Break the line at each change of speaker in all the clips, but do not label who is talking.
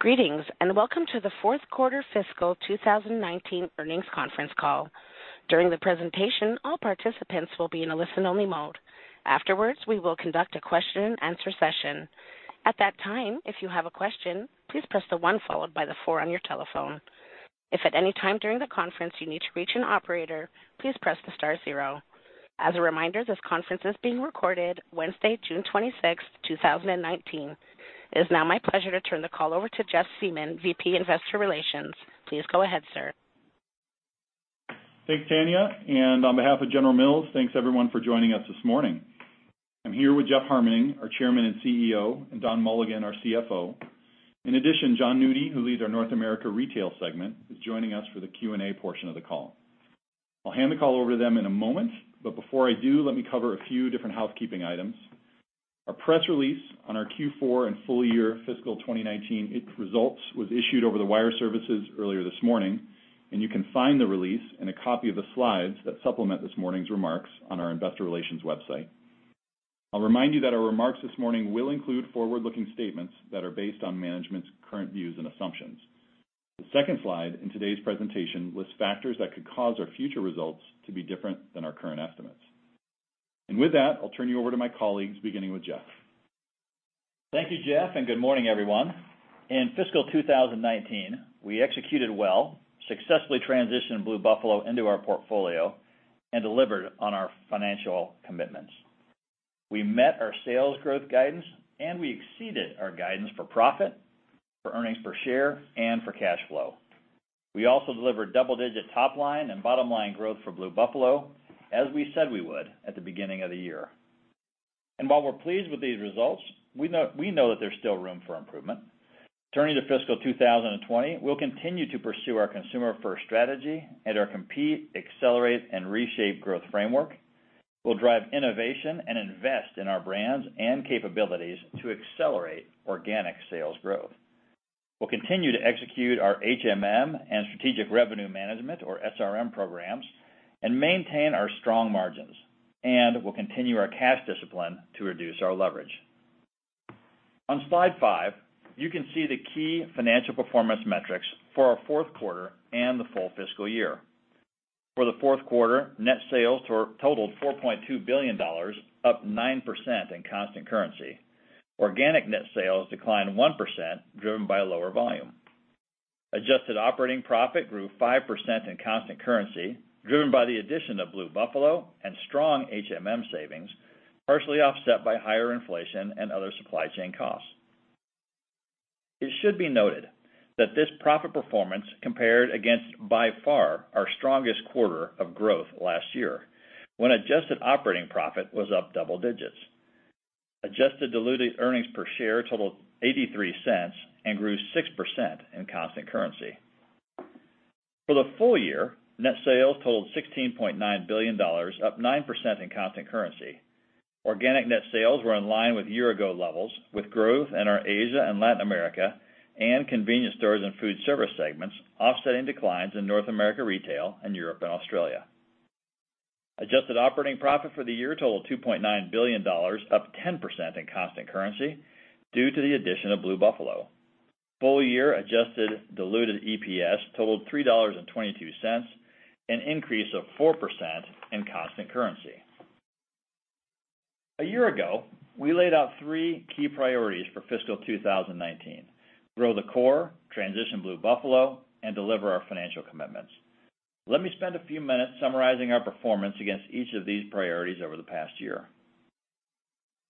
Greetings. Welcome to the fourth quarter fiscal 2019 earnings conference call. During the presentation, all participants will be in a listen-only mode. Afterwards, we will conduct a question and answer session. At that time, if you have a question, please press the one followed by the four on your telephone. If at any time during the conference you need to reach an operator, please press the star zero. As a reminder, this conference is being recorded Wednesday, June 26th, 2019. It is now my pleasure to turn the call over to Jeff Siemon, Vice President, Investor Relations. Please go ahead, sir.
Thanks, Tanya. On behalf of General Mills, thanks everyone for joining us this morning. I'm here with Jeff Harmening, our Chairman and CEO, and Don Mulligan, our CFO. In addition, Jon Nudi, who leads our North America Retail segment, is joining us for the Q&A portion of the call. I'll hand the call over to them in a moment. Before I do, let me cover a few different housekeeping items. Our press release on our Q4 and full year fiscal 2019 results was issued over the wire services earlier this morning. You can find the release and a copy of the slides that supplement this morning's remarks on our investor relations website. I'll remind you that our remarks this morning will include forward-looking statements that are based on management's current views and assumptions. The second slide in today's presentation lists factors that could cause our future results to be different than our current estimates. With that, I'll turn you over to my colleagues, beginning with Jeff.
Thank you, Jeff. Good morning, everyone. In fiscal 2019, we executed well, successfully transitioned Blue Buffalo into our portfolio, and delivered on our financial commitments. We met our sales growth guidance and we exceeded our guidance for profit, for earnings per share, and for cash flow. We also delivered double-digit top line and bottom line growth for Blue Buffalo, as we said we would at the beginning of the year. While we're pleased with these results, we know that there's still room for improvement. Turning to fiscal 2020, we'll continue to pursue our consumer-first strategy and our compete, accelerate, and reshape growth framework. We'll drive innovation and invest in our brands and capabilities to accelerate organic sales growth. We'll continue to execute our HMM and Strategic Revenue Management, or SRM programs, and maintain our strong margins. We'll continue our cash discipline to reduce our leverage. On slide five, you can see the key financial performance metrics for our fourth quarter and the full fiscal year. For the fourth quarter, net sales totaled $4.2 billion, up 9% in constant currency. Organic net sales declined 1%, driven by lower volume. Adjusted operating profit grew 5% in constant currency, driven by the addition of Blue Buffalo and strong HMM savings, partially offset by higher inflation and other supply chain costs. It should be noted that this profit performance compared against, by far, our strongest quarter of growth last year, when adjusted operating profit was up double digits. Adjusted diluted earnings per share totaled $0.83 and grew 6% in constant currency. For the full year, net sales totaled $16.9 billion, up 9% in constant currency. Organic net sales were in line with year-ago levels, with growth in our Asia and Latin America and Convenience & Foodservice segments offsetting declines in North America Retail and Europe and Australia. Adjusted operating profit for the year totaled $2.9 billion, up 10% in constant currency due to the addition of Blue Buffalo. Full year adjusted diluted EPS totaled $3.22, an increase of 4% in constant currency. A year ago, we laid out three key priorities for fiscal 2019, Grow the Core, Transition Blue Buffalo, and Deliver our Financial Commitments. Let me spend a few minutes summarizing our performance against each of these priorities over the past year.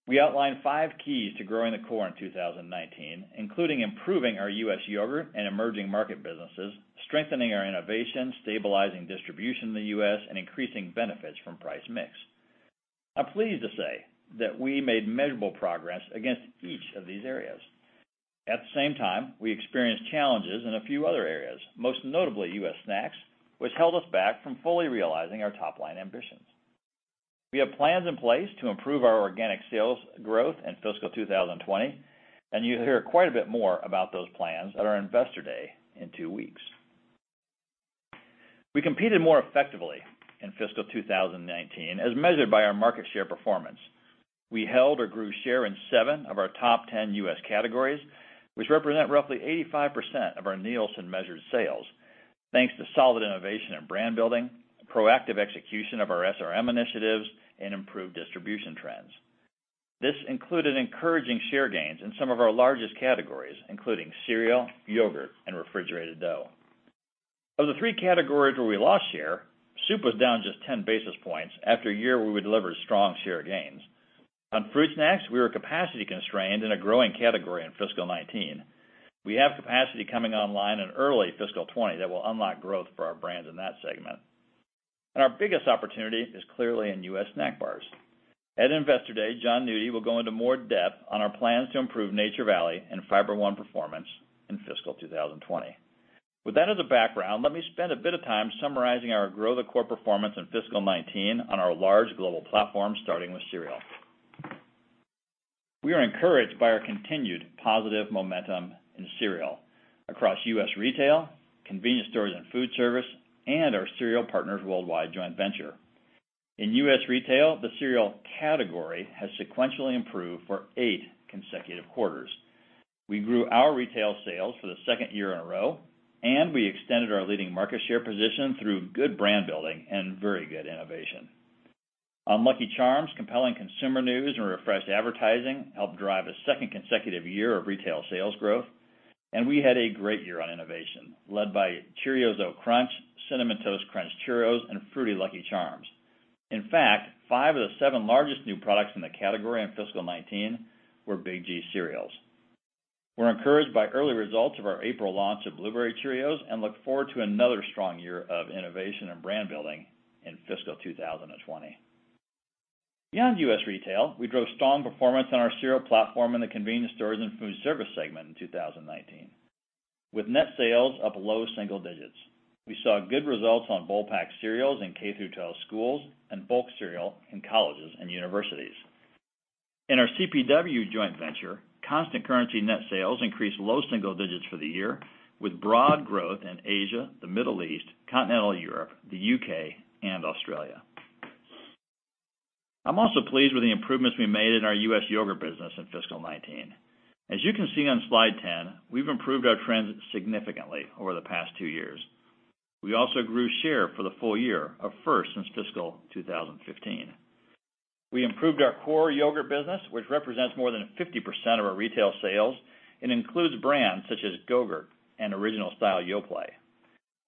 We outlined five keys to Growing the Core in 2019, including improving our U.S. yogurt and emerging market businesses, strengthening our innovation, stabilizing distribution in the U.S., and increasing benefits from price mix. I'm pleased to say that we made measurable progress against each of these areas. At the same time, we experienced challenges in a few other areas, most notably U.S. snacks, which held us back from fully realizing our top line ambitions. We have plans in place to improve our organic sales growth in fiscal 2020, and you'll hear quite a bit more about those plans at our Investor Day in two weeks. We competed more effectively in fiscal 2019 as measured by our market share performance. We held or grew share in seven of our top 10 U.S. categories, which represent roughly 85% of our Nielsen-measured sales, thanks to solid innovation and brand building, proactive execution of our SRM initiatives, and improved distribution trends. This included encouraging share gains in some of our largest categories, including cereal, yogurt, and refrigerated dough. Of the three categories where we lost share, soup was down just 10 basis points after a year where we delivered strong share gains. On fruit snacks, we were capacity constrained in a growing category in fiscal 2019. We have capacity coming online in early fiscal 2020 that will unlock growth for our brands in that segment. And our biggest opportunity is clearly in U.S. snack bars. At Investor Day, Jon Nudi will go into more depth on our plans to improve Nature Valley and Fiber One performance in fiscal 2020. With that as a background, let me spend a bit of time summarizing our Grow the Core performance in fiscal 2019 on our large global platform, starting with cereal. We are encouraged by our continued positive momentum in cereal across U.S. retail, Convenience & Foodservice, and our Cereal Partners Worldwide joint venture. In U.S. retail, the cereal category has sequentially improved for eight consecutive quarters. We grew our retail sales for the second year in a row, and we extended our leading market share position through good brand building and very good innovation. On Lucky Charms, compelling consumer news and refreshed advertising helped drive a second consecutive year of retail sales growth, and we had a great year on innovation led by Cheerios Oat Crunch, Cinnamon Toast Crunch Cheerios, and Fruity Lucky Charms. In fact, five of the seven largest new products in the category in fiscal 2019 were Big G cereals. We are encouraged by early results of our April launch of Blueberry Cheerios and look forward to another strong year of innovation and brand building in fiscal 2020. Beyond U.S. retail, we drove strong performance on our cereal platform in the convenience stores and Foodservice segment in 2019. With net sales up low single digits, we saw good results on bowl pack cereals in K-12 schools and bulk cereal in colleges and universities. In our CPW joint venture, constant currency net sales increased low single digits for the year, with broad growth in Asia, the Middle East, continental Europe, the U.K. and Australia. I am also pleased with the improvements we made in our U.S. yogurt business in fiscal 2019. As you can see on slide 10, we have improved our trends significantly over the past two years. We also grew share for the full year, a first since fiscal 2015. We improved our core yogurt business, which represents more than 50% of our retail sales and includes brands such as Go-Gurt and original style Yoplait.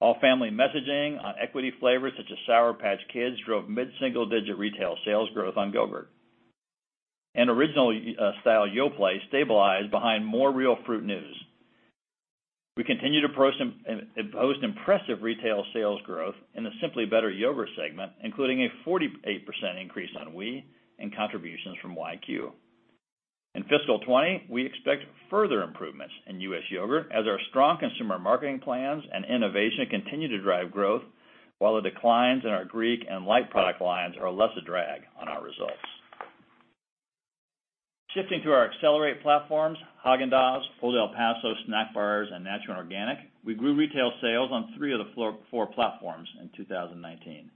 All family messaging on equity flavors such as Sour Patch Kids drove mid-single digit retail sales growth on Go-Gurt. Original style Yoplait stabilized behind more real fruit news. We continue to post impressive retail sales growth in the Simply Better Yogurt segment, including a 48% increase on Oui and contributions from YQ. In fiscal 2020, we expect further improvements in U.S. yogurt as our strong consumer marketing plans and innovation continue to drive growth, while the declines in our Greek and light product lines are less a drag on our results. Shifting to our accelerate platforms, Häagen-Dazs, Old El Paso, snack bars, and nature and organic, we grew retail sales on three of the four platforms in 2019.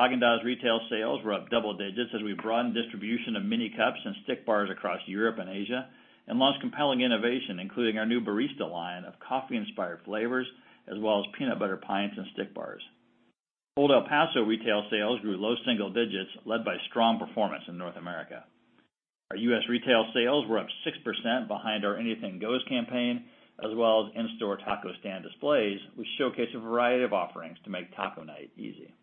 Häagen-Dazs retail sales were up double digits as we broadened distribution of mini cups and stick bars across Europe and Asia and launched compelling innovation, including our new barista line of coffee-inspired flavors, as well as peanut butter pints and stick bars. Old El Paso retail sales grew low single digits, led by strong performance in North America. Our U.S. retail sales were up 6% behind our Anything Goes campaign, as well as in-store taco stand displays, which showcase a variety of offerings to make taco night easy.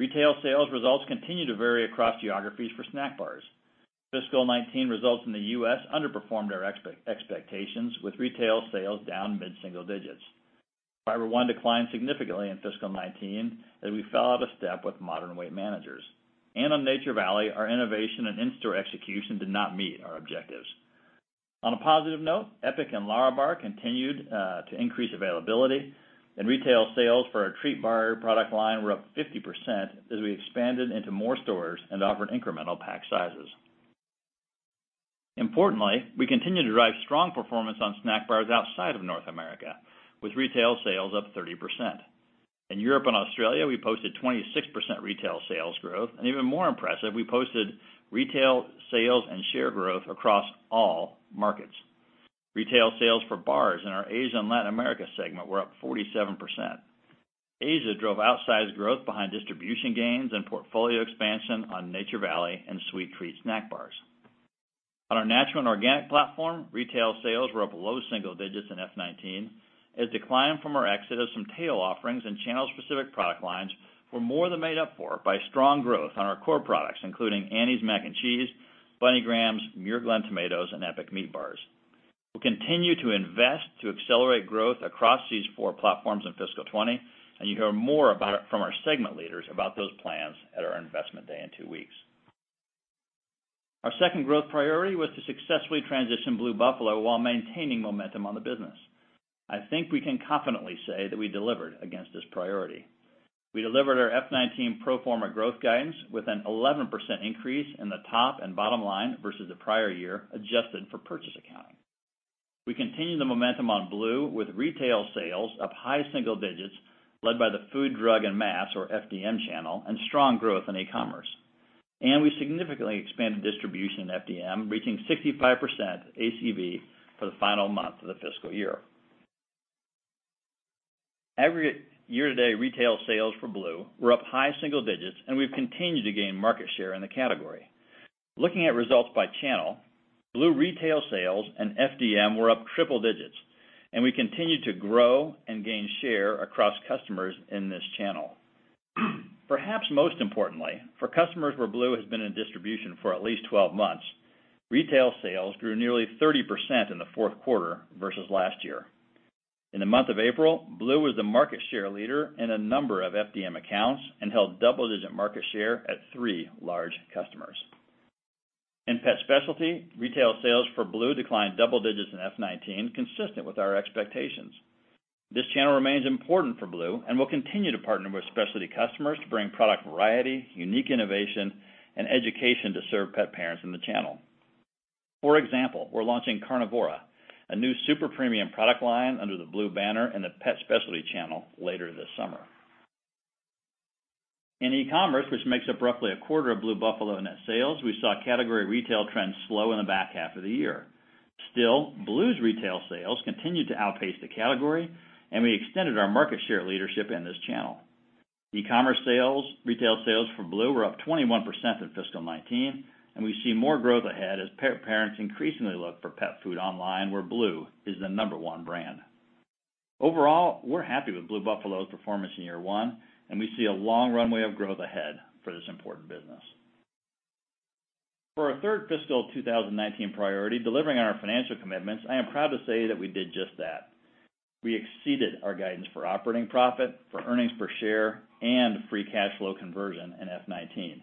Retail sales results continue to vary across geographies for snack bars. Fiscal 2019 results in the U.S. underperformed our expectations with retail sales down mid-single digits. Fiber One declined significantly in fiscal 2019, as we fell out of step with modern weight managers. On Nature Valley, our innovation and in-store execution did not meet our objectives. On a positive note, EPIC and Lärabar continued to increase availability, and retail sales for our treat bar product line were up 50% as we expanded into more stores and offered incremental pack sizes. Importantly, we continue to drive strong performance on snack bars outside of North America, with retail sales up 30%. In Europe and Australia, we posted 26% retail sales growth, and even more impressive, we posted retail sales and share growth across all markets. Retail sales for bars in our Asia and Latin America segment were up 47%. Asia drove outsized growth behind distribution gains and portfolio expansion on Nature Valley and Sweet treat snack bars. Decline from our exit of some tail offerings and channel specific product lines were more than made up for by strong growth on our core products, including Annie's Mac & Cheese, Bunny Grahams, Muir Glen tomatoes, and EPIC meat bars. We'll continue to invest to accelerate growth across these four platforms in fiscal 2020. You hear more from our segment leaders about those plans at our Investor Day in two weeks. Our second growth priority was to successfully transition Blue Buffalo while maintaining momentum on the business. I think we can confidently say that we delivered against this priority. We delivered our FY 2019 pro forma growth guidance with an 11% increase in the top and bottom line versus the prior year, adjusted for purchase accounting. We continued the momentum on Blue with retail sales up high single digits led by the food, drug, and mass, or FDM channel, and strong growth in e-commerce. We significantly expanded distribution in FDM, reaching 65% ACV for the final month of the fiscal year. Every year to date, retail sales for Blue were up high single digits. We've continued to gain market share in the category. Looking at results by channel, Blue retail sales and FDM were up triple digits. We continued to grow and gain share across customers in this channel. Perhaps most importantly, for customers where Blue has been in distribution for at least 12 months, retail sales grew nearly 30% in the fourth quarter versus last year. In the month of April, Blue was the market share leader in a number of FDM accounts and held double-digit market share at three large customers. In pet specialty, retail sales for Blue declined double digits in FY 2019, consistent with our expectations. This channel remains important for Blue, and we'll continue to partner with specialty customers to bring product variety, unique innovation, and education to serve pet parents in the channel. For example, we're launching Carnivora, a new super premium product line under the Blue banner in the pet specialty channel later this summer. In e-commerce, which makes up roughly a quarter of Blue Buffalo net sales, we saw category retail trends slow in the back half of the year. Still, Blue's retail sales continued to outpace the category. We extended our market share leadership in this channel. E-commerce sales, retail sales for Blue were up 21% in fiscal 2019. We see more growth ahead as pet parents increasingly look for pet food online, where Blue is the number one brand. Overall, we're happy with Blue Buffalo's performance in year one. We see a long runway of growth ahead for this important business. For our third fiscal 2019 priority, delivering on our financial commitments, I am proud to say that we did just that. We exceeded our guidance for operating profit, for earnings per share, and free cash flow conversion in FY 2019.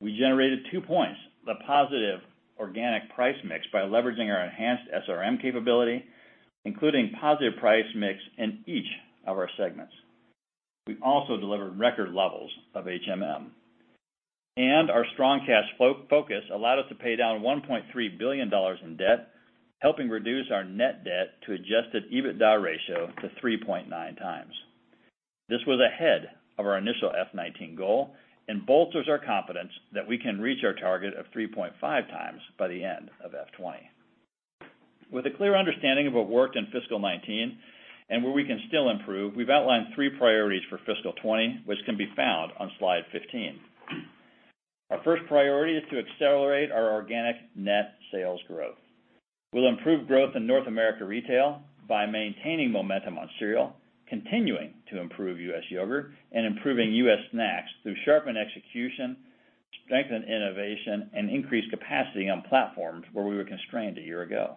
We generated 2 points of positive organic price mix by leveraging our enhanced SRM capability, including positive price mix in each of our segments. We also delivered record levels of HMM. Our strong cash flow focus allowed us to pay down $1.3 billion in debt, helping reduce our net debt to adjusted EBITDA ratio to 3.9x. This was ahead of our initial FY 2019 goal and bolsters our confidence that we can reach our target of 3.5x by the end of FY 2020. With a clear understanding of what worked in fiscal 2019 and where we can still improve, we've outlined 3 priorities for fiscal 2020, which can be found on slide 15. Our first priority is to accelerate our organic net sales growth. We'll improve growth in North America Retail by maintaining momentum on cereal, continuing to improve U.S. yogurt, and improving U.S. snacks through sharpened execution, strengthened innovation, and increased capacity on platforms where we were constrained a year ago.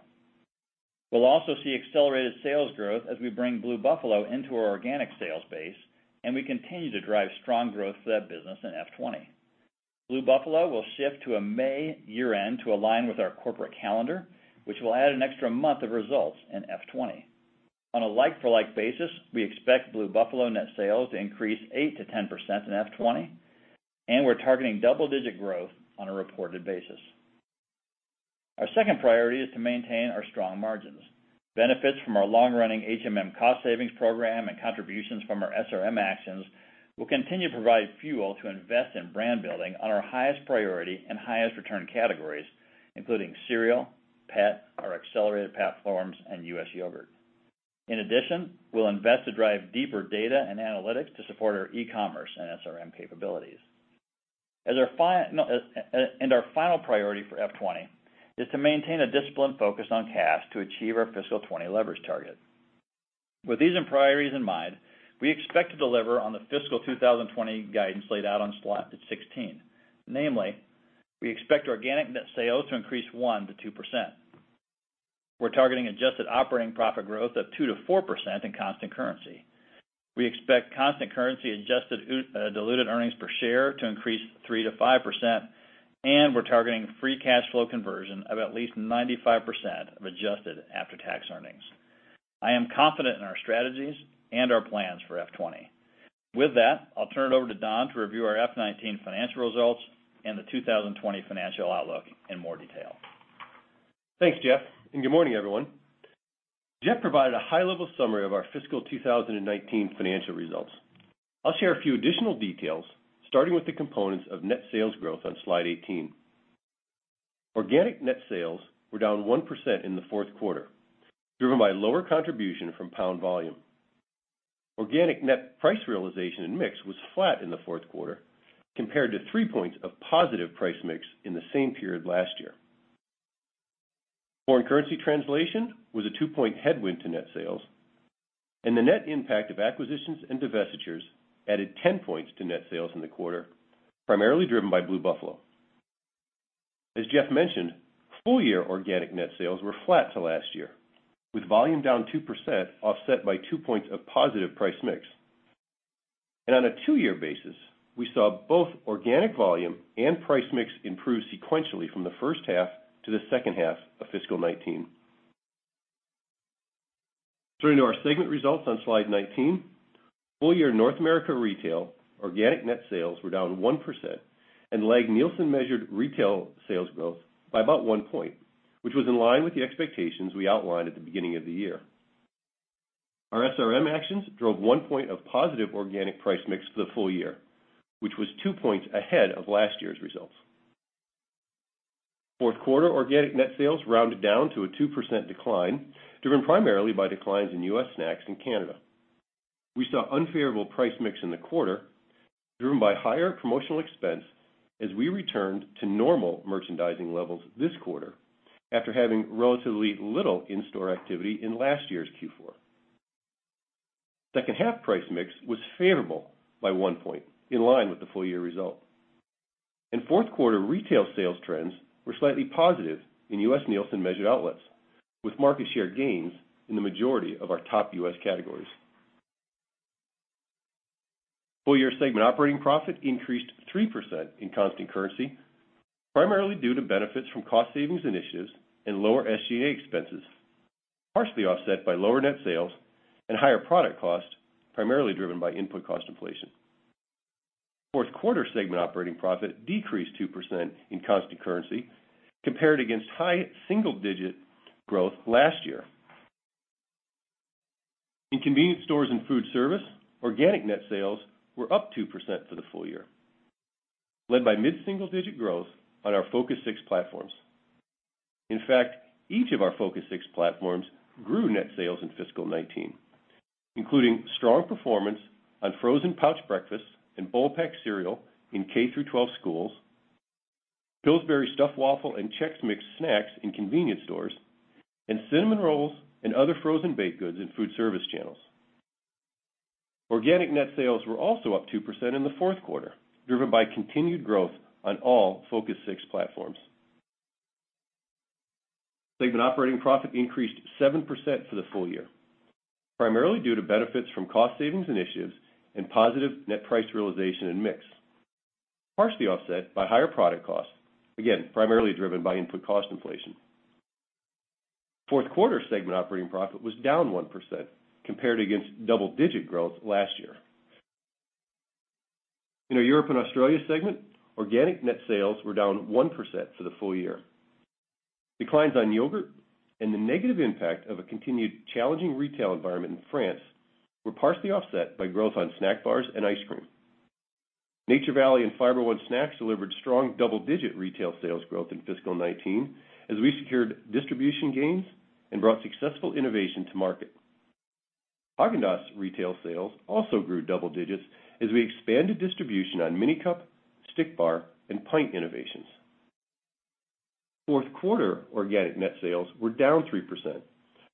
We'll also see accelerated sales growth as we bring Blue Buffalo into our organic sales base, and we continue to drive strong growth for that business in FY 2020. Blue Buffalo will shift to a May year-end to align with our corporate calendar, which will add an extra month of results in FY 2020. On a like-for-like basis, we expect Blue Buffalo net sales to increase 8%-10% in FY 2020, and we're targeting double-digit growth on a reported basis. Our second priority is to maintain our strong margins. Benefits from our long-running HMM cost savings program and contributions from our SRM actions will continue to provide fuel to invest in brand building on our highest priority and highest return categories, including cereal, pet, our accelerated platforms, and U.S. yogurt. In addition, we'll invest to drive deeper data and analytics to support our e-commerce and SRM capabilities. Our final priority for FY 2020 is to maintain a disciplined focus on cash to achieve our fiscal 2020 leverage target. With these priorities in mind, we expect to deliver on the fiscal 2020 guidance laid out on slide 16. Namely, we expect organic net sales to increase 1%-2%. We're targeting adjusted operating profit growth of 2%-4% in constant currency. We expect constant currency adjusted diluted earnings per share to increase 3%-5%, and we're targeting free cash flow conversion of at least 95% of adjusted after-tax earnings. I am confident in our strategies and our plans for FY 2020. With that, I'll turn it over to Don to review our FY 2019 financial results and the 2020 financial outlook in more detail.
Thanks, Jeff. Good morning, everyone. Jeff provided a high-level summary of our fiscal 2019 financial results. I'll share a few additional details, starting with the components of net sales growth on Slide 18. Organic net sales were down 1% in the fourth quarter, driven by lower contribution from pound volume. Organic net price realization and mix was flat in the fourth quarter compared to 3 points of positive price mix in the same period last year. Foreign currency translation was a 2-point headwind to net sales, and the net impact of acquisitions and divestitures added 10 points to net sales in the quarter, primarily driven by Blue Buffalo. As Jeff mentioned, full-year organic net sales were flat to last year, with volume down 2% offset by 2 points of positive price mix. On a two-year basis, we saw both organic volume and price mix improve sequentially from the first half to the second half of fiscal 2019. Turning to our segment results on Slide 19, full-year North America Retail organic net sales were down 1% and lag Nielsen measured retail sales growth by about 1 point, which was in line with the expectations we outlined at the beginning of the year. Our SRM actions drove 1 point of positive organic price mix for the full year, which was 2 points ahead of last year's results. Fourth quarter organic net sales rounded down to a 2% decline, driven primarily by declines in U.S. snacks and Canada. We saw unfavorable price mix in the quarter, driven by higher promotional expense as we returned to normal merchandising levels this quarter after having relatively little in-store activity in last year's Q4. Second half price mix was favorable by 1 point, in line with the full-year result. Fourth quarter retail sales trends were slightly positive in U.S. Nielsen measured outlets, with market share gains in the majority of our top U.S. categories. Full-year segment operating profit increased 3% in constant currency, primarily due to benefits from cost savings initiatives and lower SG&A expenses, partially offset by lower net sales and higher product costs, primarily driven by input cost inflation. Fourth quarter segment operating profit decreased 2% in constant currency compared against high single-digit growth last year. In Convenience & Foodservice, organic net sales were up 2% for the full year, led by mid-single-digit growth on our Focus Six platforms. In fact, each of our Focus Six platforms grew net sales in fiscal 2019, including strong performance on frozen pouch breakfasts and bowl pack cereal in K-12 schools, Pillsbury stuffed waffle and Chex Mix snacks in convenience stores, and cinnamon rolls and other frozen baked goods in foodservice channels. Organic net sales were also up 2% in the fourth quarter, driven by continued growth on all Focus Six platforms. Segment operating profit increased 7% for the full year, primarily due to benefits from cost savings initiatives and positive net price realization and mix, partially offset by higher product costs, again, primarily driven by input cost inflation. Fourth quarter segment operating profit was down 1% compared against double-digit growth last year. In our Europe & Australia segment, organic net sales were down 1% for the full year. Declines on yogurt and the negative impact of a continued challenging retail environment in France were partially offset by growth on snack bars and ice cream. Nature Valley and Fiber One snacks delivered strong double-digit retail sales growth in fiscal 2019, as we secured distribution gains and brought successful innovation to market. Häagen-Dazs retail sales also grew double digits as we expanded distribution on mini cup, stick bar, and pint innovations. Fourth quarter organic net sales were down 3%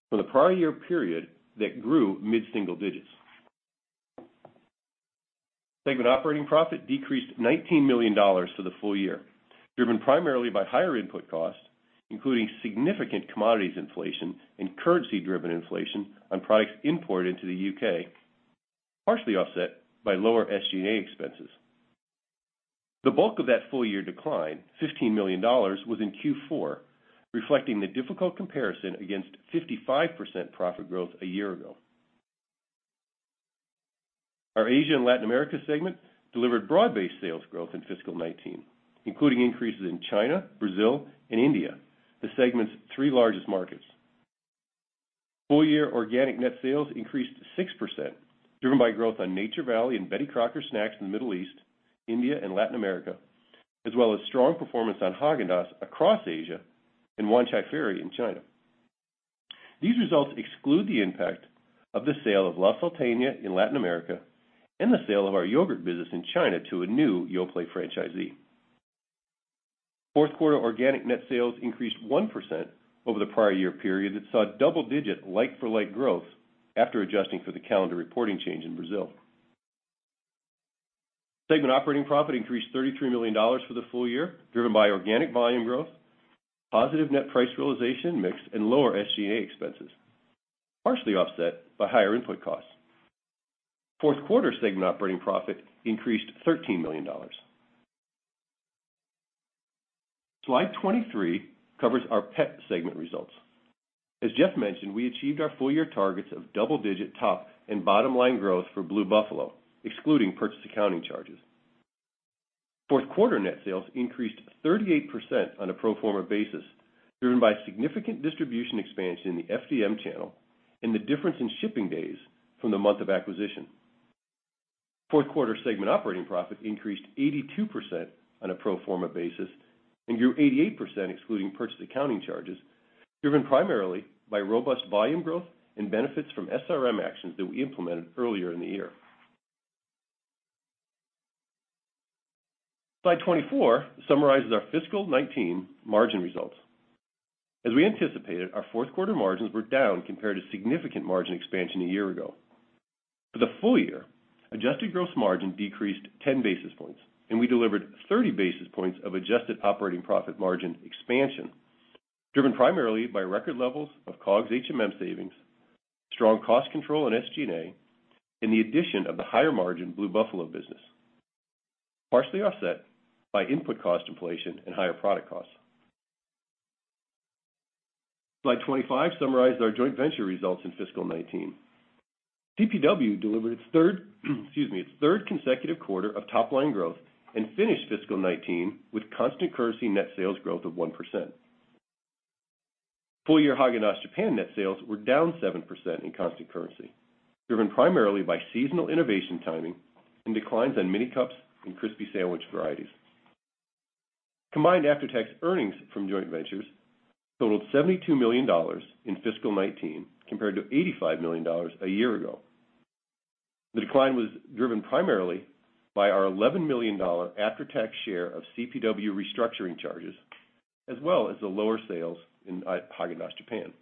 from the prior year period that grew mid-single digits. Segment operating profit decreased $19 million for the full year, driven primarily by higher input costs, including significant commodities inflation and currency-driven inflation on products imported into the U.K., partially offset by lower SG&A expenses. The bulk of that full-year decline, $15 million, was in Q4, reflecting the difficult comparison against 55% profit growth a year ago. Our Asia and Latin America segment delivered broad-based sales growth in fiscal 2019, including increases in China, Brazil, and India, the segment's three largest markets. Full year organic net sales increased 6%, driven by growth on Nature Valley and Betty Crocker snacks in the Middle East, India, and Latin America, as well as strong performance on Häagen-Dazs across Asia and Wanchai Ferry in China. These results exclude the impact of the sale of La Salteña in Latin America and the sale of our yogurt business in China to a new Yoplait franchisee. Fourth quarter organic net sales increased 1% over the prior year period that saw double-digit like-for-like growth after adjusting for the calendar reporting change in Brazil. Segment operating profit increased $33 million for the full year, driven by organic volume growth, positive net price realization mix, and lower SG&A expenses, partially offset by higher input costs. Fourth quarter segment operating profit increased $13 million. Slide 23 covers our pet segment results. As Jeff mentioned, we achieved our full-year targets of double-digit top and bottom line growth for Blue Buffalo, excluding purchase accounting charges. Fourth quarter net sales increased 38% on a pro forma basis, driven by significant distribution expansion in the FDM channel and the difference in shipping days from the month of acquisition. Fourth quarter segment operating profit increased 82% on a pro forma basis and grew 88% excluding purchase accounting charges, driven primarily by robust volume growth and benefits from SRM actions that we implemented earlier in the year. Slide 24 summarizes our fiscal 2019 margin results. As we anticipated, our fourth quarter margins were down compared to significant margin expansion a year ago. For the full year, adjusted gross margin decreased 10 basis points, and we delivered 30 basis points of adjusted operating profit margin expansion, driven primarily by record levels of COGS HMM savings, strong cost control in SG&A, and the addition of the higher margin Blue Buffalo business, partially offset by input cost inflation and higher product costs. Slide 25 summarizes our joint venture results in fiscal 2019. CPW delivered its third consecutive quarter of top-line growth and finished fiscal 2019 with constant currency net sales growth of 1%. Full year Häagen-Dazs Japan net sales were down 7% in constant currency, driven primarily by seasonal innovation timing and declines in mini cups and crispy sandwich varieties. Combined after-tax earnings from joint ventures totaled $72 million in fiscal 2019 compared to $85 million a year ago. The decline was driven primarily by our $11 million after-tax share of CPW restructuring charges, as well as the lower sales in Häagen-Dazs Japan.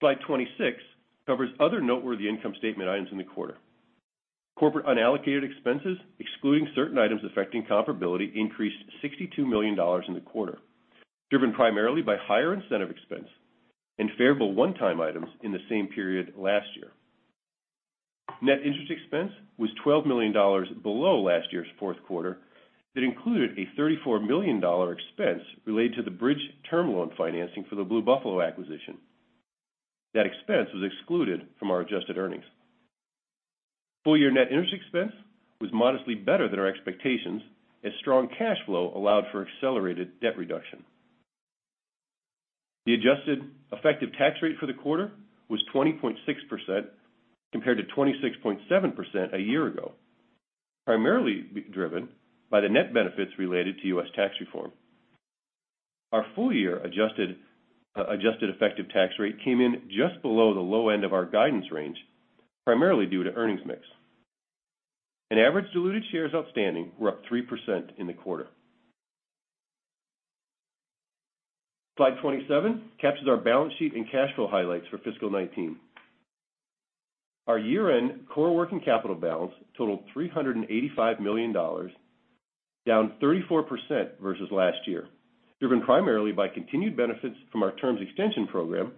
Slide 26 covers other noteworthy income statement items in the quarter. Corporate unallocated expenses, excluding certain items affecting comparability, increased $62 million in the quarter, driven primarily by higher incentive expense and favorable one-time items in the same period last year. Net interest expense was $12 million below last year's fourth quarter. That included a $34 million expense related to the bridge term loan financing for the Blue Buffalo acquisition. That expense was excluded from our adjusted earnings. Full-year net interest expense was modestly better than our expectations, as strong cash flow allowed for accelerated debt reduction. The adjusted effective tax rate for the quarter was 20.6%, compared to 26.7% a year ago, primarily driven by the net benefits related to U.S. tax reform. Our full-year adjusted effective tax rate came in just below the low end of our guidance range, primarily due to earnings mix. Average diluted shares outstanding were up 3% in the quarter. Slide 27 captures our balance sheet and cash flow highlights for fiscal 2019. Our year-end core working capital balance totaled $385 million, down 34% versus last year, driven primarily by continued benefits from our terms extension program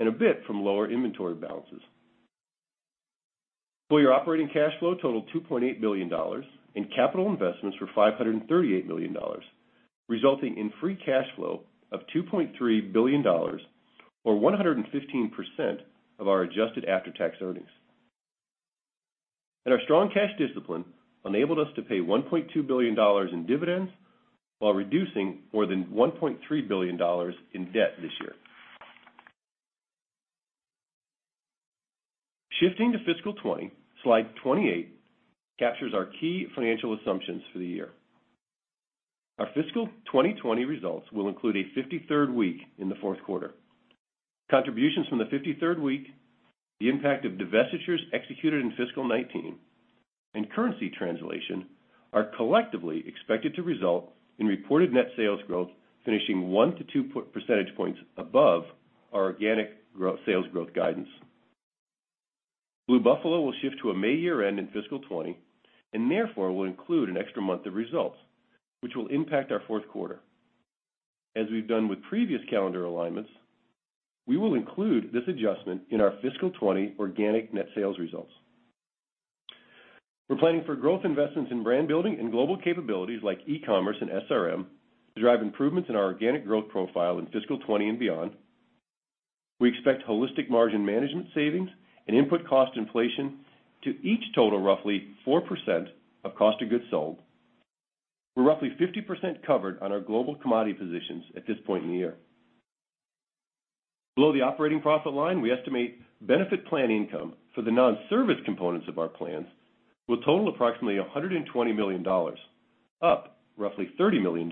and a bit from lower inventory balances. Full-year operating cash flow totaled $2.8 billion and capital investments were $538 million, resulting in free cash flow of $2.3 billion or 115% of our adjusted after-tax earnings. Our strong cash discipline enabled us to pay $1.2 billion in dividends while reducing more than $1.3 billion in debt this year. Shifting to fiscal 2020, slide 28 captures our key financial assumptions for the year. Our fiscal 2020 results will include a 53rd week in the fourth quarter. Contributions from the 53rd week, the impact of divestitures executed in fiscal 2019, and currency translation are collectively expected to result in reported net sales growth finishing one to two percentage points above our organic sales growth guidance. Blue Buffalo will shift to a May year-end in fiscal 2020, and therefore will include an extra month of results, which will impact our fourth quarter. As we've done with previous calendar alignments, we will include this adjustment in our fiscal 2020 organic net sales results. We're planning for growth investments in brand building and global capabilities like e-commerce and SRM to drive improvements in our organic growth profile in fiscal 2020 and beyond. We expect holistic margin management savings and input cost inflation to each total roughly 4% of cost of goods sold. We're roughly 50% covered on our global commodity positions at this point in the year. Below the operating profit line, we estimate benefit plan income for the non-service components of our plans will total approximately $120 million, up roughly $30 million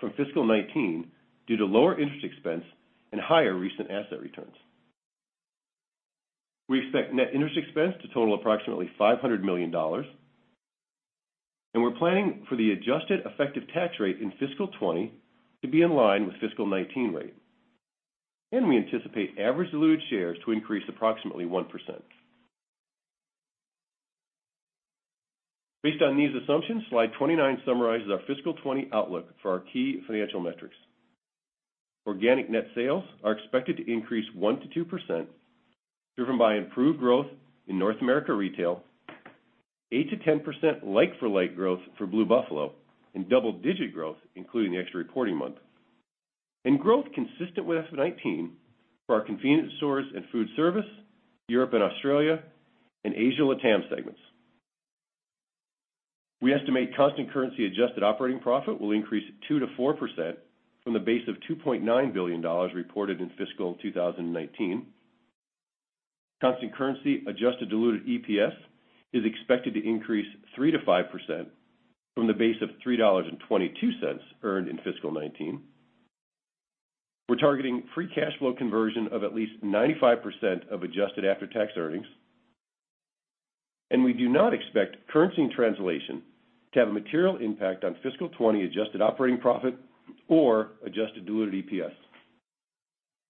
from fiscal 2019 due to lower interest expense and higher recent asset returns. We expect net interest expense to total approximately $500 million, we're planning for the adjusted effective tax rate in fiscal 2020 to be in line with fiscal 2019 rate. We anticipate average diluted shares to increase approximately 1%. Based on these assumptions, slide 29 summarizes our fiscal 2020 outlook for our key financial metrics. Organic net sales are expected to increase 1%-2%, driven by improved growth in North America Retail, 8%-10% like-for-like growth for Blue Buffalo, and double-digit growth including the extra reporting month, and growth consistent with fiscal 2019 for our Convenience & Foodservice, Europe & Australia, and Asia & LATAM segments. We estimate constant currency adjusted operating profit will increase 2%-4% from the base of $2.9 billion reported in fiscal 2019. Constant currency adjusted diluted EPS is expected to increase 3%-5% from the base of $3.22 earned in fiscal 2019. We're targeting free cash flow conversion of at least 95% of adjusted after-tax earnings. We do not expect currency translation to have a material impact on fiscal 2020 adjusted operating profit or adjusted diluted EPS.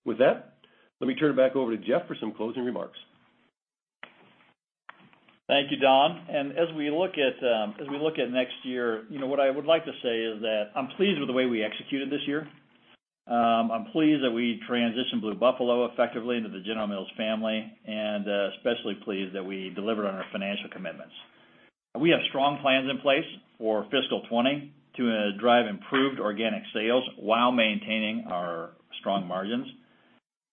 With that, let me turn it back over to Jeff for some closing remarks.
Thank you, Don. As we look at next year, what I would like to say is that I'm pleased with the way we executed this year. I'm pleased that we transitioned Blue Buffalo effectively into the General Mills family, and especially pleased that we delivered on our financial commitments. We have strong plans in place for fiscal 2020 to drive improved organic sales while maintaining our strong margins.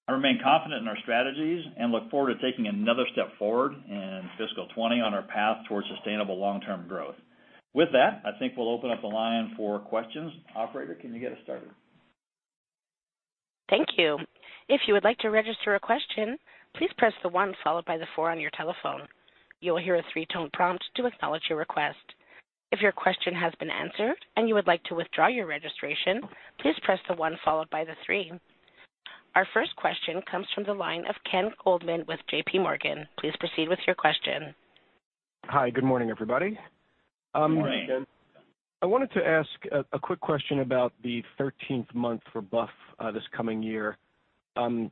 I remain confident in our strategies and look forward to taking another step forward in fiscal 2020 on our path towards sustainable long-term growth. With that, I think we'll open up the line for questions. Operator, can you get us started?
Thank you. If you would like to register a question, please press the one followed by the four on your telephone. You will hear a three-tone prompt to acknowledge your request. If your question has been answered and you would like to withdraw your registration, please press the one followed by the three. Our first question comes from the line of Ken Goldman with J.P. Morgan. Please proceed with your question.
Hi, good morning, everybody.
Morning.
I wanted to ask a quick question about the 13th month for Blue this coming year.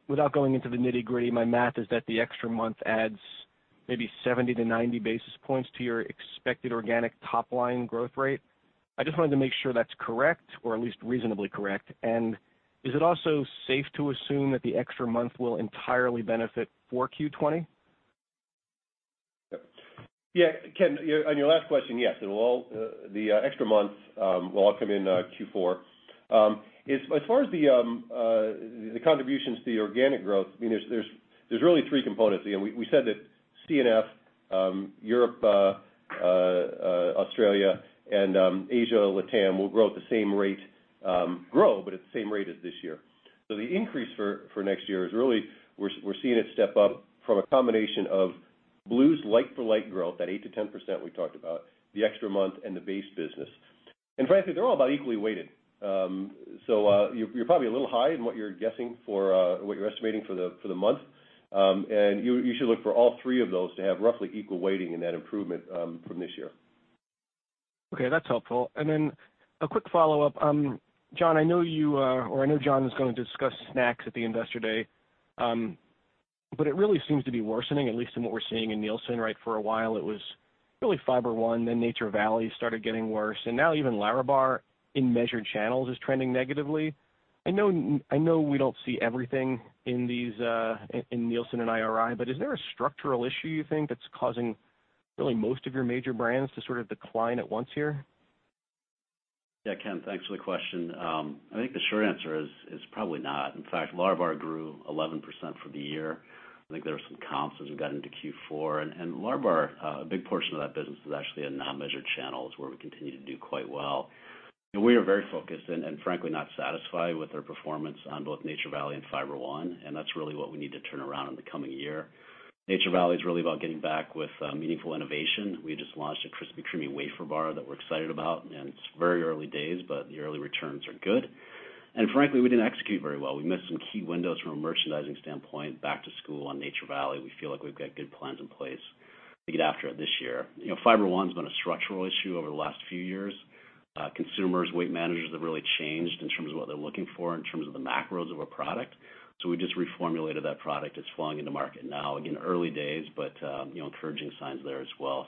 Without going into the nitty-gritty, my math is that the extra month adds maybe 70 to 90 basis points to your expected organic top-line growth rate. I just wanted to make sure that's correct, or at least reasonably correct. Is it also safe to assume that the extra month will entirely benefit for Q4?
Ken, on your last question, yes. The extra month will all come in Q4. As far as the contributions to the organic growth, there's really three components. We said that C&F, Europe, Australia, and Asia, LATAM will grow, but at the same rate as this year. The increase for next year is really, we're seeing it step up from a combination of Blue's like for like growth, that 8% to 10% we talked about, the extra month, and the base business. Frankly, they're all about equally weighted. You're probably a little high in what you're estimating for the month. You should look for all three of those to have roughly equal weighting in that improvement from this year.
That's helpful. Then a quick follow-up. Jon, I know Jon is going to discuss snacks at the Investor Day. It really seems to be worsening, at least in what we're seeing in Nielsen, right? For a while, it was really Fiber One, then Nature Valley started getting worse, and now even Lärabar in measured channels is trending negatively. I know we don't see everything in Nielsen and IRI, but is there a structural issue, you think, that's causing really most of your major brands to sort of decline at once here?
Ken, thanks for the question. I think the short answer is probably not. In fact, Lärabar grew 11% for the year. I think there were some comps as we got into Q4. Lärabar, a big portion of that business is actually in non-measured channels, where we continue to do quite well. We are very focused and frankly, not satisfied with our performance on both Nature Valley and Fiber One, and that's really what we need to turn around in the coming year. Nature Valley is really about getting back with meaningful innovation. We just launched a Crispy Creamy Wafer Bar that we're excited about, and it's very early days, but the early returns are good. Frankly, we didn't execute very well. We missed some key windows from a merchandising standpoint back to school on Nature Valley. We feel like we've got good plans in place to get after it this year. Fiber One's been a structural issue over the last few years. Consumers, weight managers have really changed in terms of what they're looking for in terms of the macros of a product. We just reformulated that product. It's flowing into market now. Again, early days, but encouraging signs there as well.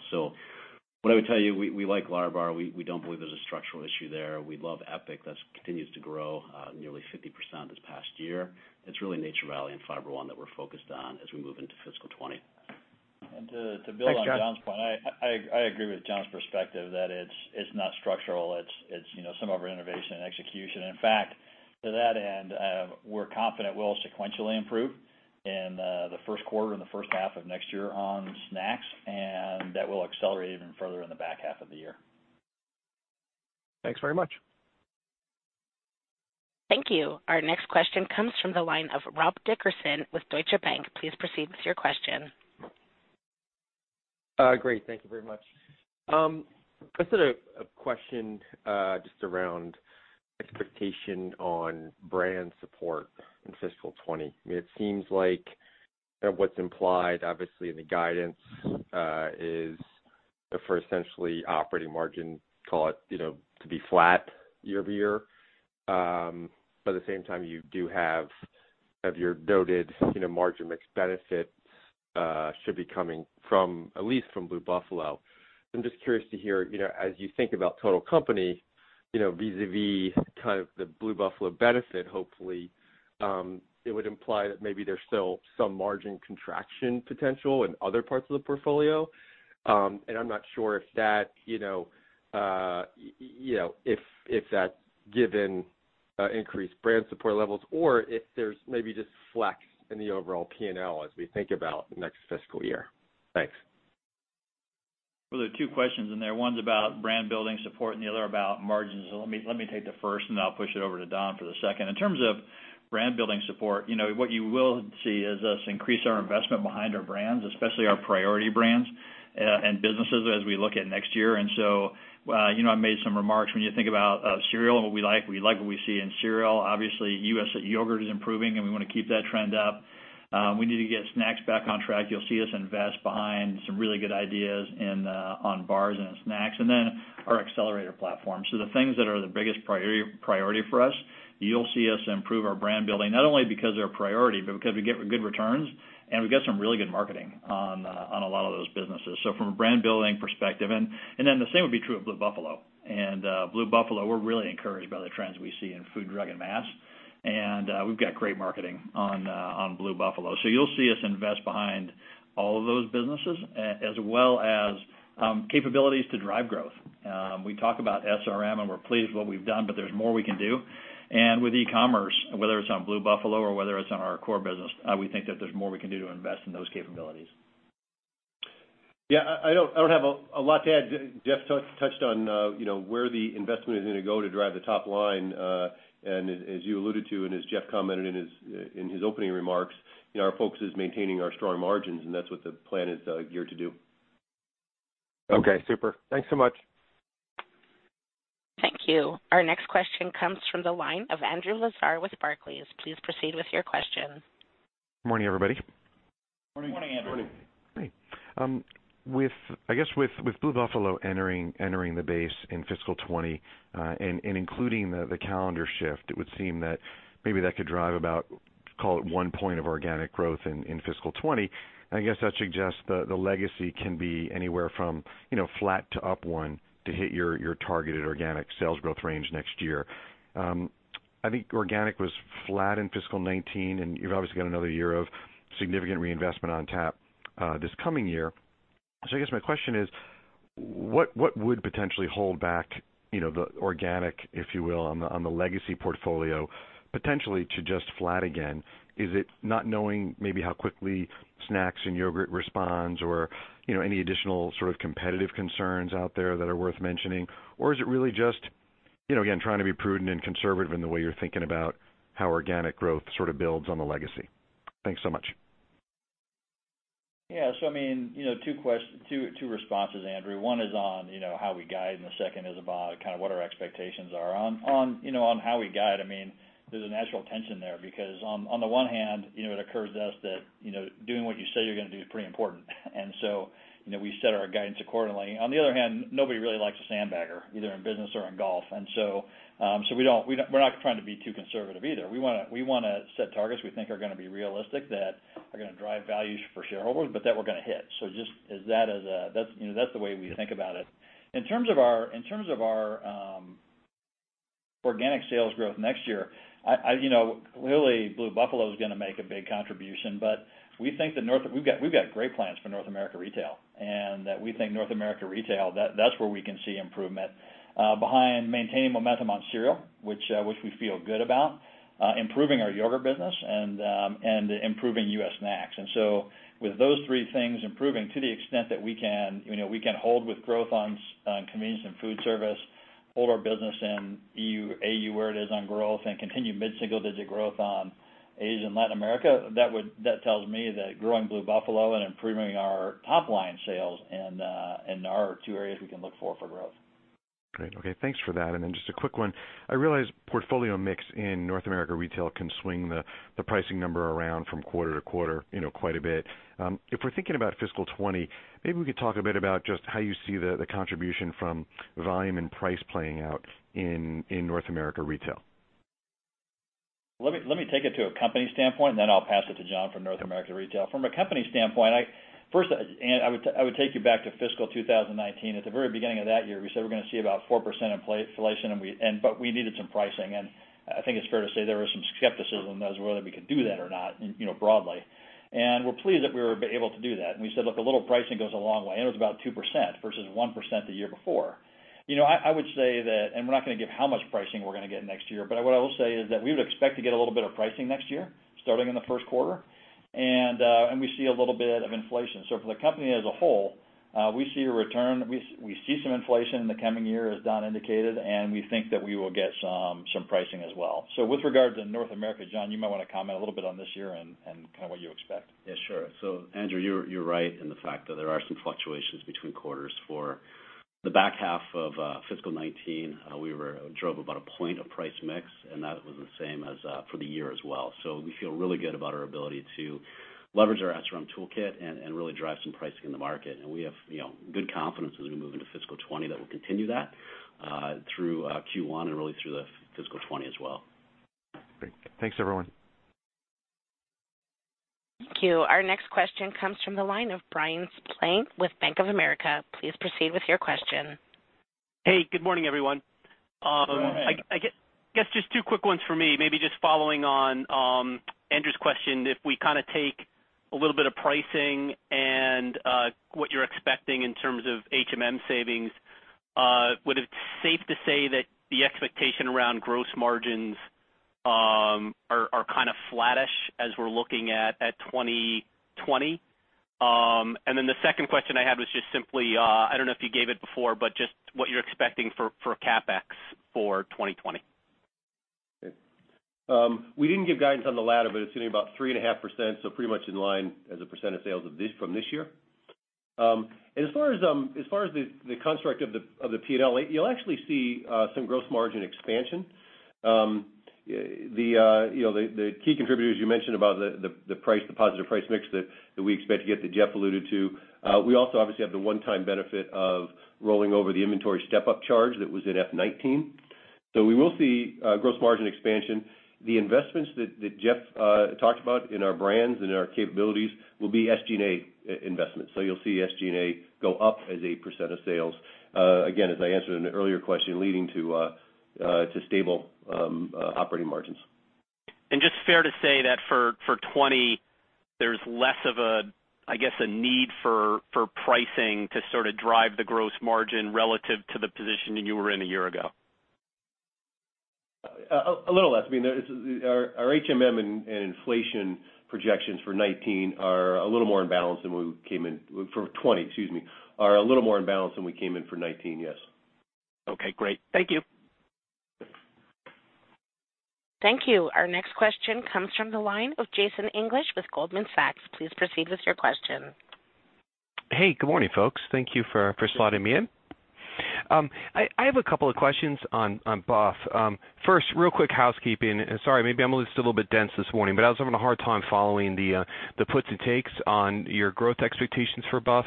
What I would tell you, we like Lärabar. We don't believe there's a structural issue there. We love EPIC. That continues to grow nearly 50% this past year. It's really Nature Valley and Fiber One that we're focused on as we move into fiscal 2020.
Thanks, Jon.
To build on Jon's point, I agree with Jon's perspective that it's not structural, it's some of our innovation and execution. In fact, to that end, we're confident we'll sequentially improve in the first quarter and the first half of next year on snacks, and that will accelerate even further in the back half of the year.
Thanks very much.
Thank you. Our next question comes from the line of Rob Dickerson with Deutsche Bank. Please proceed with your question.
Great. Thank you very much. I just had a question just around expectation on brand support in fiscal 2020. It seems like what's implied, obviously, in the guidance is for essentially operating margin, call it, to be flat year-over-year. At the same time, you do have your noted margin mix benefits should be coming at least from Blue Buffalo. I'm just curious to hear, as you think about total company vis-a-vis the Blue Buffalo benefit, hopefully, it would imply that maybe there's still some margin contraction potential in other parts of the portfolio. I'm not sure if that's given increased brand support levels or if there's maybe just flex in the overall P&L as we think about next fiscal year. Thanks.
Well, there are two questions in there. One's about brand building support and the other about margins. Let me take the first, and then I'll push it over to Don for the second. In terms of brand building support, what you will see is us increase our investment behind our brands, especially our priority brands and businesses as we look at next year. I made some remarks. When you think about cereal and what we like, we like what we see in cereal. Obviously, U.S. yogurt is improving, we want to keep that trend up. We need to get snacks back on track. You'll see us invest behind some really good ideas on bars and snacks. Our accelerator platform. The things that are the biggest priority for us, you'll see us improve our brand building, not only because they're a priority, because we get good returns and we've got some really good marketing on a lot of those businesses. From a brand building perspective, the same would be true of Blue Buffalo. Blue Buffalo, we're really encouraged by the trends we see in food, drug, and mass. We've got great marketing on Blue Buffalo. You'll see us invest behind all of those businesses as well as capabilities to drive growth. We talk about SRM, we're pleased with what we've done, there's more we can do. With e-commerce, whether it's on Blue Buffalo or whether it's on our core business, we think that there's more we can do to invest in those capabilities.
Yeah, I don't have a lot to add. Jeff touched on where the investment is going to go to drive the top line. As you alluded to and as Jeff commented in his opening remarks, our focus is maintaining our strong margins, and that's what the plan is geared to do.
Okay, super. Thanks so much.
Thank you. Our next question comes from the line of Andrew Lazar with Barclays. Please proceed with your question.
Morning, everybody
Morning, Andrew.
Morning.
Hey. I guess with Blue Buffalo entering the base in fiscal 2020 and including the calendar shift, it would seem that maybe that could drive about, call it one point of organic growth in fiscal 2020. I guess that suggests the legacy can be anywhere from flat to up one to hit your targeted organic sales growth range next year. I think organic was flat in fiscal 2019, and you've obviously got another year of significant reinvestment on tap this coming year. I guess my question is, what would potentially hold back the organic, if you will, on the legacy portfolio, potentially to just flat again? Is it not knowing maybe how quickly snacks and yogurt responds or any additional sort of competitive concerns out there that are worth mentioning? Is it really just, again, trying to be prudent and conservative in the way you're thinking about how organic growth sort of builds on the legacy? Thanks so much.
Yeah. Two responses, Andrew. One is on how we guide, and the second is about kind of what our expectations are. On how we guide, there's a natural tension there, because on the one hand, it occurs to us that doing what you say you're going to do is pretty important. We set our guidance accordingly. On the other hand, nobody really likes a sandbagger, either in business or in golf. We're not trying to be too conservative either. We want to set targets we think are going to be realistic, that are going to drive value for shareholders, but that we're going to hit. That's the way we think about it. In terms of our organic sales growth next year, clearly Blue Buffalo is going to make a big contribution, but we've got great plans for North America Retail and that we think North America Retail, that's where we can see improvement behind maintaining momentum on cereal, which we feel good about, improving our yogurt business and improving U.S. snacks. With those three things improving to the extent that we can hold with growth on Convenience & Foodservice, hold our business in EU, AU, where it is on growth and continue mid-single-digit growth on Asia and Latin America, that tells me that growing Blue Buffalo and improving our top line sales are our two areas we can look for growth.
Great. Okay, thanks for that. Just a quick one. I realize portfolio mix in North America Retail can swing the pricing number around from quarter-to-quarter quite a bit. If we're thinking about fiscal 2020, maybe we could talk a bit about just how you see the contribution from volume and price playing out in North America Retail.
Let me take it to a company standpoint, and then I'll pass it to Jon for North America Retail. From a company standpoint, first, I would take you back to fiscal 2019. At the very beginning of that year, we said we're going to see about 4% inflation, but we needed some pricing. I think it's fair to say there was some skepticism as to whether we could do that or not broadly. We're pleased that we were able to do that. We said, look, a little pricing goes a long way, and it was about 2% versus 1% the year before. I would say that, and we're not going to give how much pricing we're going to get next year, but what I will say is that we would expect to get a little bit of pricing next year, starting in the first quarter, and we see a little bit of inflation. For the company as a whole, we see some inflation in the coming year, as Don indicated, and we think that we will get some pricing as well. With regards to North America, Jon, you might want to comment a little bit on this year and kind of what you expect.
Yeah, sure. Andrew, you're right in the fact that there are some fluctuations between quarters for the back half of fiscal 2019, we drove about one point of price mix, and that was the same for the year as well. We feel really good about our ability to leverage our SRM toolkit and really drive some pricing in the market. We have good confidence as we move into fiscal 2020 that we'll continue that through Q1 and really through the fiscal 2020 as well.
Great. Thanks, everyone.
Thank you. Our next question comes from the line of Bryan Spillane with Bank of America. Please proceed with your question.
Hey, good morning, everyone.
Morning.
I guess just two quick ones for me, maybe just following on Andrew's question, if we take a little bit of pricing and what you're expecting in terms of HMM savings, would it be safe to say that the expectation around gross margins are kind of flattish as we're looking at 2020? The second question I had was just simply, I don't know if you gave it before, but just what you're expecting for CapEx for 2020.
We didn't give guidance on the latter, but it's going to be about 3.5%, so pretty much in line as a percent of sales from this year. As far as the construct of the P&L, you'll actually see some gross margin expansion. The key contributors you mentioned about the positive price mix that we expect to get that Jeff alluded to. We also obviously have the one-time benefit of rolling over the inventory step-up charge that was in FY 2019. We will see gross margin expansion. The investments that Jeff talked about in our brands and in our capabilities will be SG&A investments. You'll see SG&A go up as a percent of sales, again, as I answered an earlier question, leading to stable operating margins.
Just fair to say that for 2020, there's less of a need for pricing to sort of drive the gross margin relative to the position that you were in a year ago.
A little less. Our HMM and inflation projections for 2020, excuse me, are a little more in balance than we came in for 2019, yes.
Okay, great. Thank you.
Thank you. Our next question comes from the line of Jason English with Goldman Sachs. Please proceed with your question
Hey, good morning, folks. Thank you for slotting me in. I have a couple of questions on Buff. First, real quick housekeeping, sorry, maybe I'm just a little bit dense this morning, but I was having a hard time following the puts and takes on your growth expectations for Buff.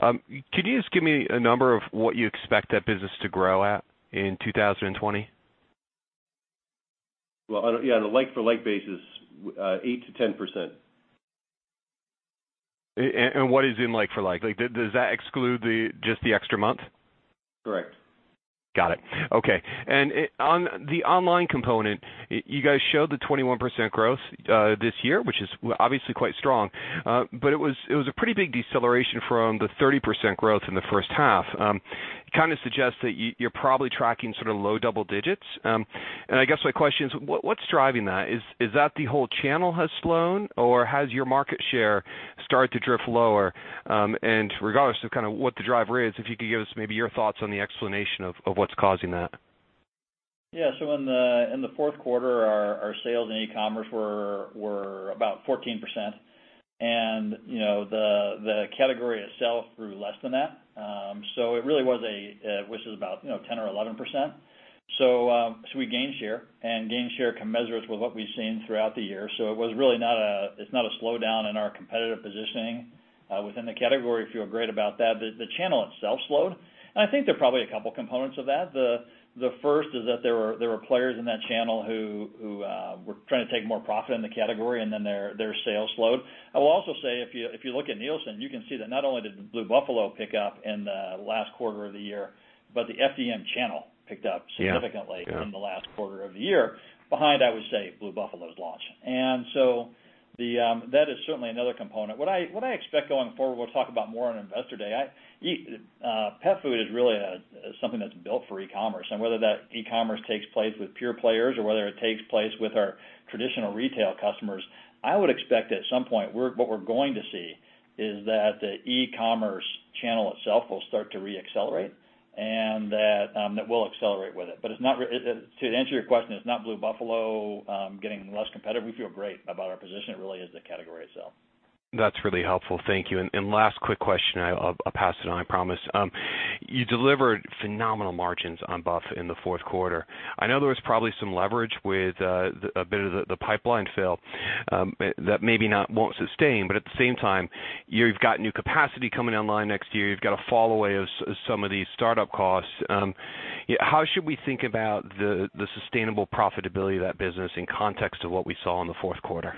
Could you just give me a number of what you expect that business to grow at in 2020?
Well, yeah, on a like-for-like basis, 8%-10%.
What is in like-for-like? Does that exclude just the extra month?
Correct.
Got it. Okay. On the online component, you guys showed the 21% growth this year, which is obviously quite strong. It was a pretty big deceleration from the 30% growth in the first half. Kind of suggests that you're probably tracking sort of low double digits. I guess my question is, what's driving that? Is that the whole channel has slowed, or has your market share started to drift lower? Regardless of kind of what the driver is, if you could give us maybe your thoughts on the explanation of what's causing that.
Yeah. In the fourth quarter, our sales in e-commerce were about 14%. The category itself grew less than that. Which is about 10% or 11%. We gained share and gained share commensurate with what we've seen throughout the year. It's not a slowdown in our competitive positioning within the category. Feel great about that. The channel itself slowed, and I think there are probably a couple components of that. The first is that there were players in that channel who were trying to take more profit in the category, and then their sales slowed. I will also say, if you look at Nielsen, you can see that not only did Blue Buffalo pick up in the last quarter of the year, but the FDM channel picked up-
Yeah
significantly in the last quarter of the year behind, I would say, Blue Buffalo's launch. That is certainly another component. What I expect going forward, we'll talk about more on Investor Day, pet food is really something that's built for e-commerce. Whether that e-commerce takes place with pure players or whether it takes place with our traditional retail customers, I would expect at some point, what we're going to see is that the e-commerce channel itself will start to re-accelerate and that we'll accelerate with it. To answer your question, it's not Blue Buffalo getting less competitive. We feel great about our position. It really is the category itself.
That's really helpful. Thank you. Last quick question, I'll pass it on, I promise. You delivered phenomenal margins on Buff in the fourth quarter. I know there was probably some leverage with a bit of the pipeline fill that maybe won't sustain. At the same time, you've got new capacity coming online next year. You've got a fall away of some of these startup costs. How should we think about the sustainable profitability of that business in context of what we saw in the fourth quarter?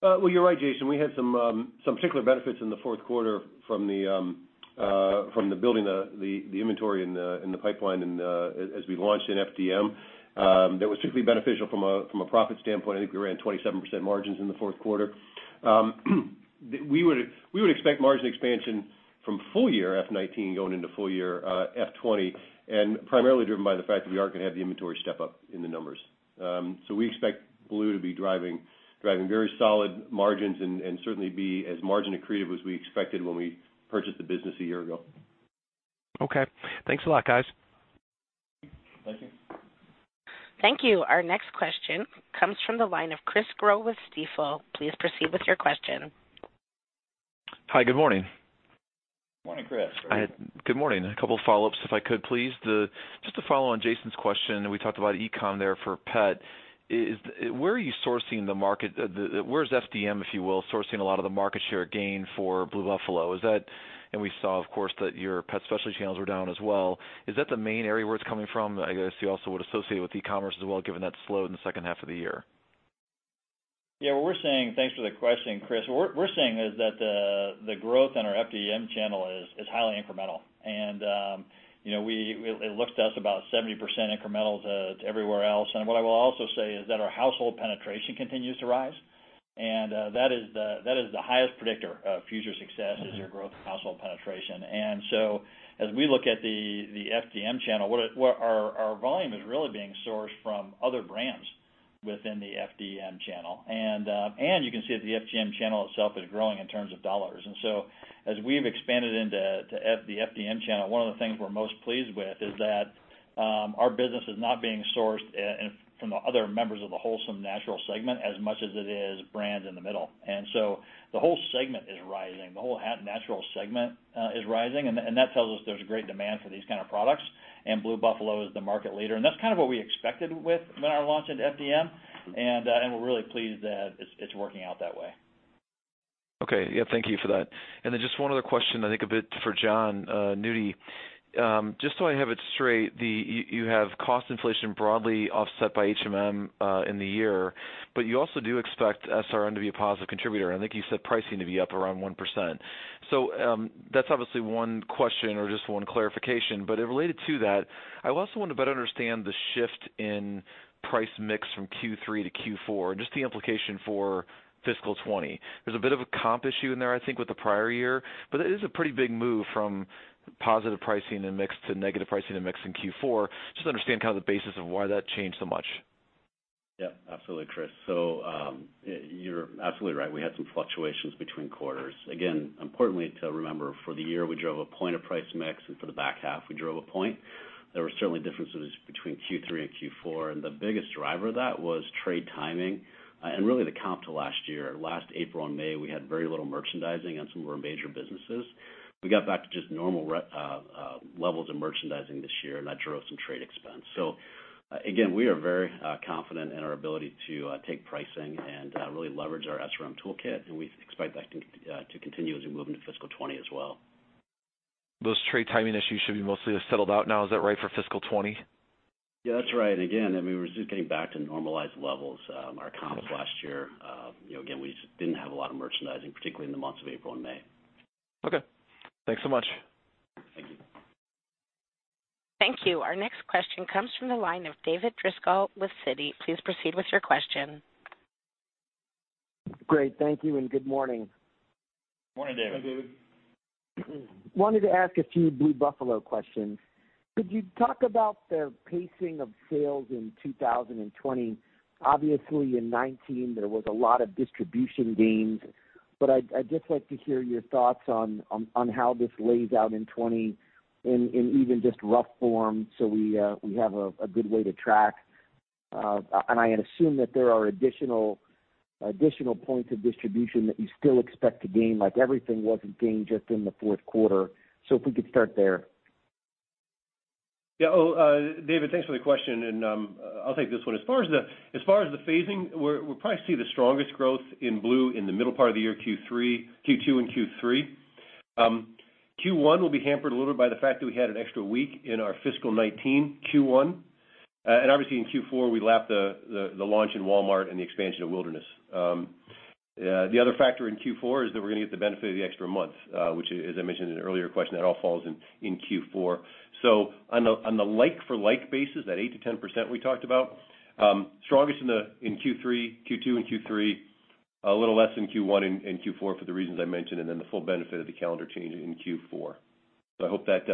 Well, you're right, Jason, we had some particular benefits in the fourth quarter from the building the inventory in the pipeline and as we launched in FDM. That was strictly beneficial from a profit standpoint. I think we ran 27% margins in the fourth quarter. We would expect margin expansion from full year FY 2019 going into full year FY 2020. Primarily driven by the fact that we aren't going to have the inventory step-up in the numbers. We expect Blue to be driving very solid margins and certainly be as margin accretive as we expected when we purchased the business a year ago.
Okay. Thanks a lot, guys.
Thank you.
Thank you. Our next question comes from the line of Chris Growe with Stifel. Please proceed with your question.
Hi, good morning.
Morning, Chris. How are you?
Good morning. A couple follow-ups if I could please. Just to follow on Jason's question, we talked about e-com there for pet. Where's FDM, if you will, sourcing a lot of the market share gain for Blue Buffalo? We saw, of course, that your pet specialty channels were down as well. Is that the main area where it's coming from? I guess you also would associate with e-commerce as well, given that slowed in the second half of the year.
Yeah. Thanks for the question, Chris. What we're seeing is that the growth in our FDM channel is highly incremental, and it looks to us about 70% incremental to everywhere else. What I will also say is that our household penetration continues to rise, and that is the highest predictor of future success is your growth in household penetration. As we look at the FDM channel, our volume is really being sourced from other brands within the FDM channel. You can see that the FDM channel itself is growing in terms of dollars. As we've expanded into the FDM channel, one of the things we're most pleased with is that our business is not being sourced from the other members of the wholesome natural segment as much as it is brands in the middle. The whole segment is rising. The whole natural segment is rising, and that tells us there's great demand for these kind of products. Blue Buffalo is the market leader, and that's kind of what we expected with our launch into FDM, and we're really pleased that it's working out that way.
Okay. Yeah, thank you for that. Just one other question, I think a bit for Jon Nudi. Just so I have it straight, you have cost inflation broadly offset by HMM in the year, you also do expect SRM to be a positive contributor, and I think you said pricing to be up around 1%. That's obviously one question or just one clarification. Related to that, I also want to better understand the shift in price mix from Q3 to Q4, just the implication for fiscal 2020. There's a bit of a comp issue in there, I think, with the prior year, it is a pretty big move from positive pricing in the mix to negative pricing in the mix in Q4. Just understand kind of the basis of why that changed so much.
Yeah, absolutely, Chris. You're absolutely right. We had some fluctuations between quarters. Again, importantly to remember, for the year, we drove a point of price mix, and for the back half, we drove a point. There were certainly differences between Q3 and Q4, the biggest driver of that was trade timing, really the comp to last year. Last April and May, we had very little merchandising on some of our major businesses. We got back to just normal levels of merchandising this year, that drove some trade expense. Again, we are very confident in our ability to take pricing and really leverage our SRM toolkit, we expect that to continue as we move into fiscal 2020 as well.
Those trade timing issues should be mostly settled out now. Is that right for fiscal 2020?
Yeah, that's right. Again, we're just getting back to normalized levels. Our comps last year, again, we just didn't have a lot of merchandising, particularly in the months of April and May.
Okay. Thanks so much.
Thank you.
Thank you. Our next question comes from the line of David Driscoll with Citi. Please proceed with your question.
Great. Thank you and good morning.
Morning, David.
Hi, David.
Wanted to ask a few Blue Buffalo questions. Could you talk about their pacing of sales in 2020? Obviously in 2019, there was a lot of distribution gains, but I'd just like to hear your thoughts on how this lays out in 2020, in even just rough form, so we have a good way to track. I assume that there are additional points of distribution that you still expect to gain, like everything wasn't gained just in the fourth quarter. If we could start there.
Yeah. David, thanks for the question, and I'll take this one. As far as the phasing, we'll probably see the strongest growth in Blue in the middle part of the year, Q2 and Q3. Q1 will be hampered a little by the fact that we had an extra week in our fiscal 2019 Q1. Obviously in Q4, we lapped the launch in Walmart and the expansion of Wilderness. The other factor in Q4 is that we're going to get the benefit of the extra month, which, as I mentioned in an earlier question, that all falls in Q4. On the like for like basis, that 8%-10% we talked about, strongest in Q2 and Q3, a little less in Q1 and Q4, for the reasons I mentioned, and then the full benefit of the calendar change in Q4. I hope that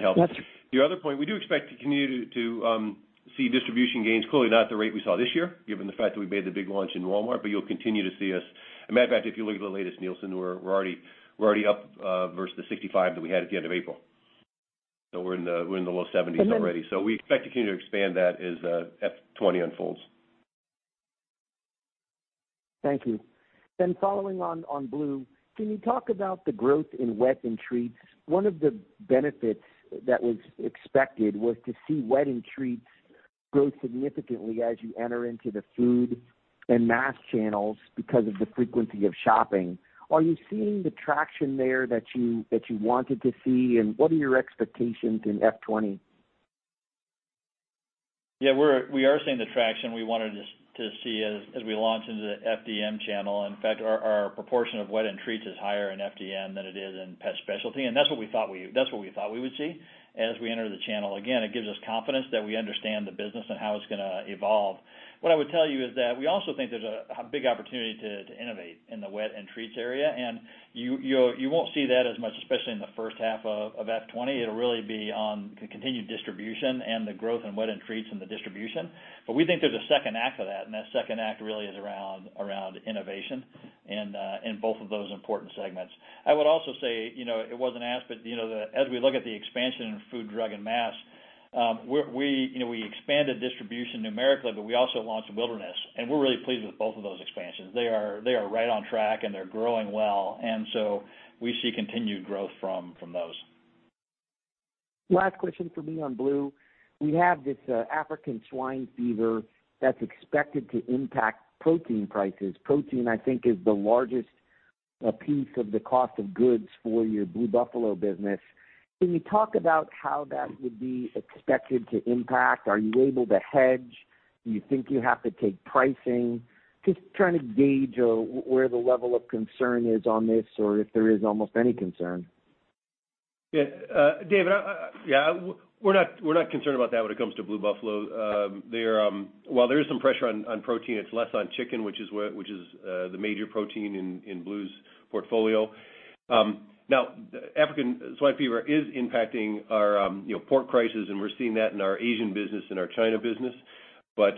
helps.
Yes.
The other point, we do expect to continue to see distribution gains. Clearly not at the rate we saw this year, given the fact that we made the big launch in Walmart, but you'll continue to see us. Matter of fact, if you look at the latest Nielsen, we're already up versus the 65 that we had at the end of April. We're in the low 70s already. We expect to continue to expand that as FY 2020 unfolds.
Thank you. Following on Blue, can you talk about the growth in wet and treats? One of the benefits that was expected was to see wet and treats grow significantly as you enter into the food and mass channels because of the frequency of shopping. Are you seeing the traction there that you wanted to see, and what are your expectations in FY 2020?
Yeah, we are seeing the traction we wanted to see as we launch into the FDM channel. In fact, our proportion of wet and treats is higher in FDM than it is in pet specialty, and that's what we thought we would see as we enter the channel. Again, it gives us confidence that we understand the business and how it's gonna evolve. What I would tell you is that we also think there's a big opportunity to innovate in the wet and treats area, and you won't see that as much, especially in the first half of FY 2020. It'll really be on the continued distribution and the growth in wet and treats in the distribution. We think there's a second act to that, and that second act really is around innovation in both of those important segments. I would also say, it wasn't asked, but as we look at the expansion in food, drug, and mass, we expanded distribution numerically, but we also launched Wilderness, and we're really pleased with both of those expansions. They are right on track, and they're growing well. We see continued growth from those.
Last question from me on Blue. We have this African swine fever that's expected to impact protein prices. Protein, I think, is the largest piece of the cost of goods for your Blue Buffalo business. Can you talk about how that would be expected to impact? Are you able to hedge? Do you think you have to take pricing? Just trying to gauge where the level of concern is on this or if there is almost any concern.
Yeah. David, we're not concerned about that when it comes to Blue Buffalo. While there is some pressure on protein, it's less on chicken, which is the major protein in Blue's portfolio. African swine fever is impacting our pork prices, and we're seeing that in our Asian business and our China business, but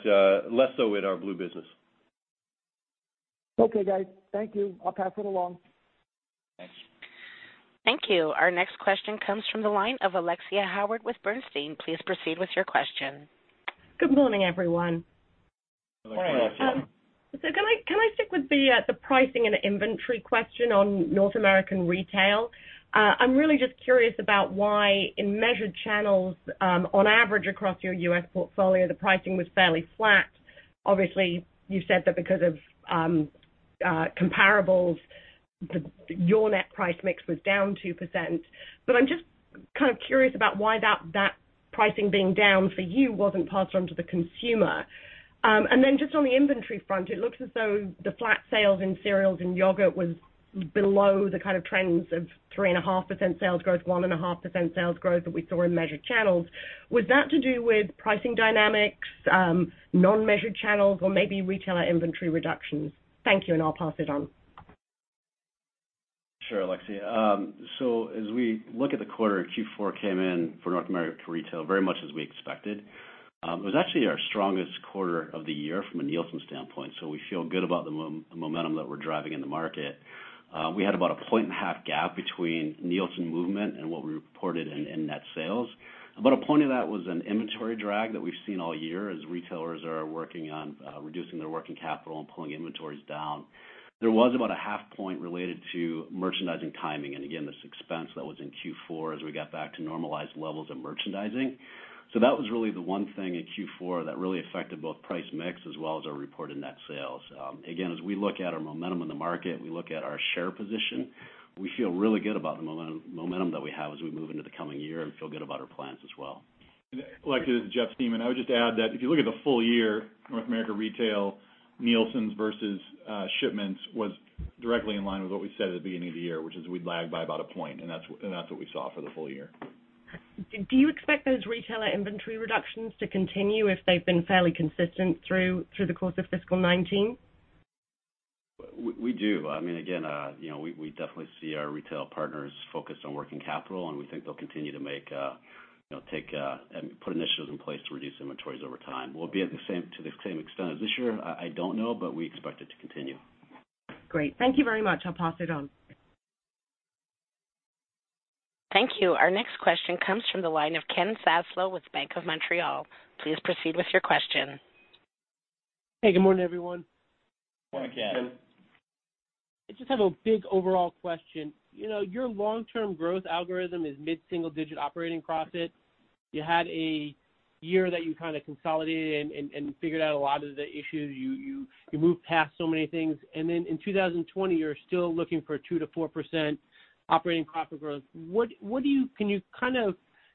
less so in our Blue business.
Okay, guys. Thank you. I'll pass it along.
Thanks.
Thank you. Our next question comes from the line of Alexia Howard with Bernstein. Please proceed with your question.
Good morning, everyone.
Morning, Alexia.
Morning.
Can I stick with the pricing and inventory question on North America Retail? I'm really just curious about why, in measured channels, on average across your U.S. portfolio, the pricing was fairly flat. Obviously, you've said that because of comparables, your net price mix was down 2%. I'm just kind of curious about why that pricing being down for you wasn't passed on to the consumer. Then just on the inventory front, it looks as though the flat sales in cereals and yogurt was below the kind of trends of 3.5% sales growth, 1.5% sales growth that we saw in measured channels. Was that to do with pricing dynamics, non-measured channels, or maybe retailer inventory reductions? Thank you, and I'll pass it on.
Sure, Alexia. As we look at the quarter, Q4 came in for North America Retail very much as we expected. It was actually our strongest quarter of the year from a Nielsen standpoint. We feel good about the momentum that we're driving in the market. We had about a point and a half gap between Nielsen movement and what we reported in net sales. About a point of that was an inventory drag that we've seen all year, as retailers are working on reducing their working capital and pulling inventories down. There was about a half point related to merchandising timing, and again, this expense that was in Q4 as we got back to normalized levels of merchandising. That was really the one thing in Q4 that really affected both price mix as well as our reported net sales. Again, as we look at our momentum in the market, we look at our share position, we feel really good about the momentum that we have as we move into the coming year, and feel good about our plans as well.
Alexia, this is Jeff Siemon. I would just add that if you look at the full year, North America Retail Nielsens versus shipments was directly in line with what we said at the beginning of the year, which is we'd lag by about a point, and that's what we saw for the full year.
Do you expect those retailer inventory reductions to continue if they've been fairly consistent through the course of fiscal 2019?
We do. We definitely see our retail partners focused on working capital, and we think they'll continue to put initiatives in place to reduce inventories over time. Will it be to the same extent as this year? I don't know, but we expect it to continue.
Great. Thank you very much. I'll pass it on.
Thank you. Our next question comes from the line of Ken Zaslow with Bank of Montreal. Please proceed with your question.
Hey, good morning, everyone.
Morning, Ken.
I just have a big overall question. Your long-term growth algorithm is mid-single-digit operating profit. You had a year that you consolidated and figured out a lot of the issues. You moved past so many things. In 2020, you're still looking for 2%-4% operating profit growth. Can you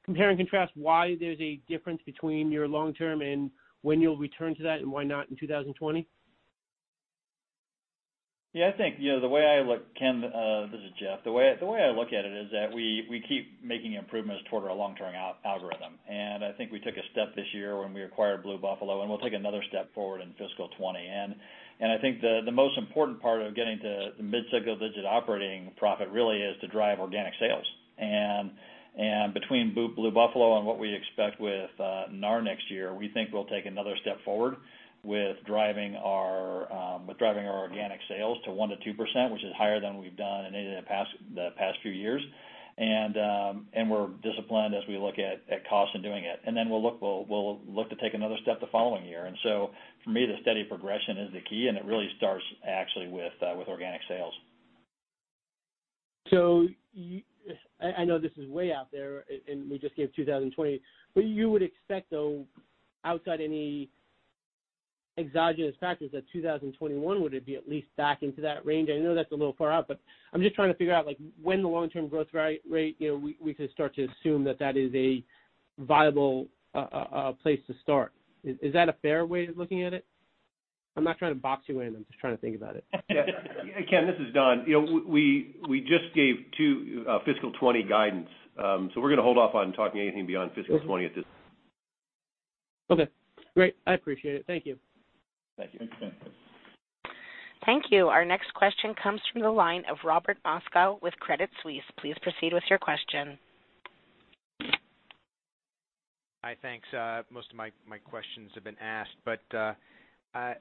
compare and contrast why there's a difference between your long term and when you'll return to that, and why not in 2020?
Yeah, I think, Ken, this is Jeff. The way I look at it is that we keep making improvements toward our long-term algorithm. I think we took a step this year when we acquired Blue Buffalo, and we'll take another step forward in FY 2020. I think the most important part of getting to mid-single digit operating profit really is to drive organic sales. Between Blue Buffalo and what we expect with NAR next year, we think we'll take another step forward with driving our organic sales to 1%-2%, which is higher than we've done in the past few years. We're disciplined as we look at cost in doing it. We'll look to take another step the following year. For me, the steady progression is the key, and it really starts actually with organic sales.
I know this is way out there, and we just gave 2020, but you would expect, though, outside any exogenous factors, that 2021 would be at least back into that range. I know that's a little far out, but I'm just trying to figure out when the long-term growth rate, we could start to assume that that is a viable place to start. Is that a fair way of looking at it? I'm not trying to box you in, I'm just trying to think about it.
Ken, this is Don. We just gave fiscal 2020 guidance, so we're going to hold off on talking anything beyond fiscal 2020 at this point.
Okay, great. I appreciate it. Thank you.
Thank you. Thanks.
Thank you. Our next question comes from the line of Robert Moskow with Credit Suisse. Please proceed with your question.
Hi, thanks. Most of my questions have been asked, but I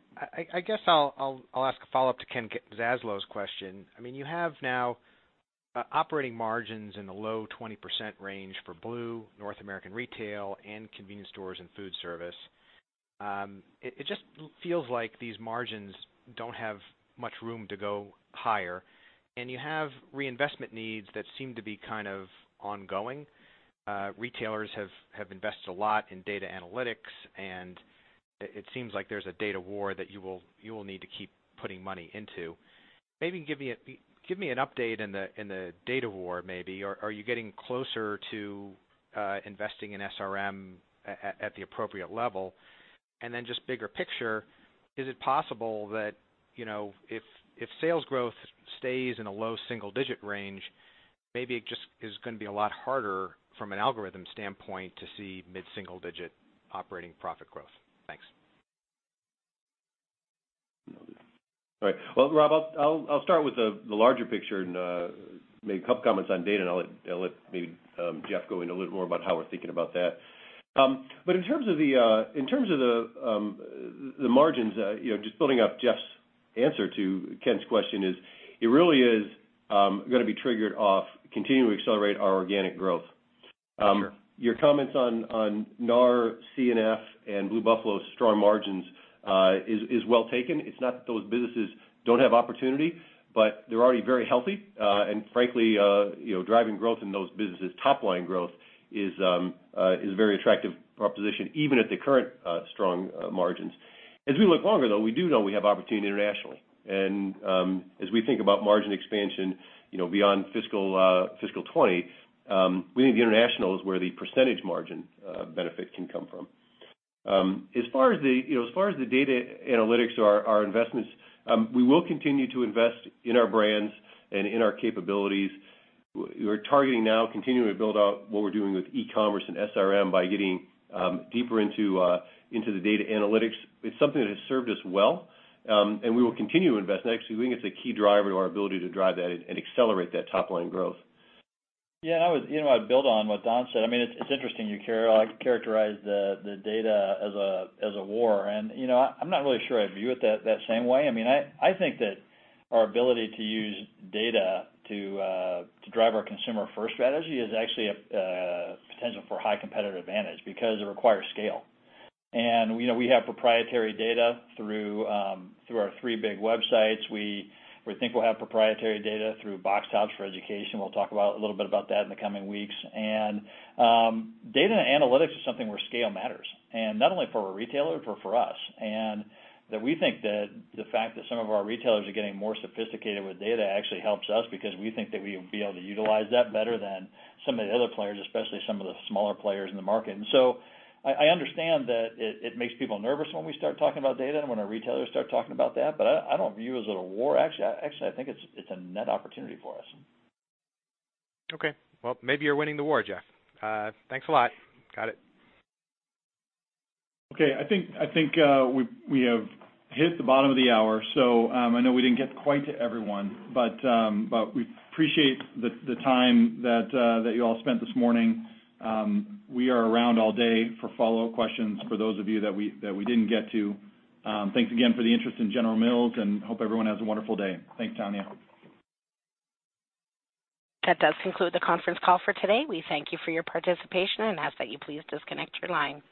guess I'll ask a follow-up to Kenneth Zaslow's question. You have now operating margins in the low 20% range for Blue, North American Retail, and Convenience Stores and Foodservice. It just feels like these margins don't have much room to go higher, and you have reinvestment needs that seem to be ongoing. Retailers have invested a lot in data analytics, and it seems like there's a data war that you will need to keep putting money into. Maybe give me an update in the data war. Are you getting closer to investing in SRM at the appropriate level? Then just bigger picture, is it possible that if sales growth stays in a low single-digit range, maybe it just is going to be a lot harder from an algorithm standpoint to see mid-single-digit operating profit growth? Thanks.
All right. Well, Rob, I'll start with the larger picture and make a couple comments on data, and I'll let maybe Jeff go into a little more about how we're thinking about that. In terms of the margins, just building up Jeff's answer to Ken's question, it really is going to be triggered off continuing to accelerate our organic growth.
Sure.
Your comments on NAR, C&F, and Blue Buffalo's strong margins is well taken. It's not that those businesses don't have opportunity, but they're already very healthy, and frankly, driving growth in those businesses, top line growth, is a very attractive proposition, even at the current strong margins. As we look longer, though, we do know we have opportunity internationally. As we think about margin expansion beyond fiscal 2020, we think international is where the percentage margin benefit can come from. As far as the data analytics or our investments, we will continue to invest in our brands and in our capabilities. We're targeting now continuing to build out what we're doing with e-commerce and SRM by getting deeper into the data analytics. It's something that has served us well, and we will continue to invest, and actually, we think it's a key driver to our ability to drive that and accelerate that top-line growth.
Yeah, I would build on what Don said. It's interesting you characterize the data as a war, and I'm not really sure I view it that same way. I think that our ability to use data to drive our consumer-first strategy is actually a potential for high competitive advantage because it requires scale. We have proprietary data through our three big websites. We think we'll have proprietary data through Box Tops for Education. We'll talk a little bit about that in the coming weeks. Data and analytics is something where scale matters, and not only for a retailer, but for us. That we think that the fact that some of our retailers are getting more sophisticated with data actually helps us because we think that we will be able to utilize that better than some of the other players, especially some of the smaller players in the market. So I understand that it makes people nervous when we start talking about data and when our retailers start talking about that, but I don't view it as a war. Actually, I think it's a net opportunity for us.
Okay. Well, maybe you're winning the war, Jeff. Thanks a lot. Got it.
Okay. I think we have hit the bottom of the hour. I know we didn't get quite to everyone, we appreciate the time that you all spent this morning. We are around all day for follow-up questions for those of you that we didn't get to. Thanks again for the interest in General Mills, hope everyone has a wonderful day. Thanks, Tanya.
That does conclude the conference call for today. We thank you for your participation and ask that you please disconnect your line.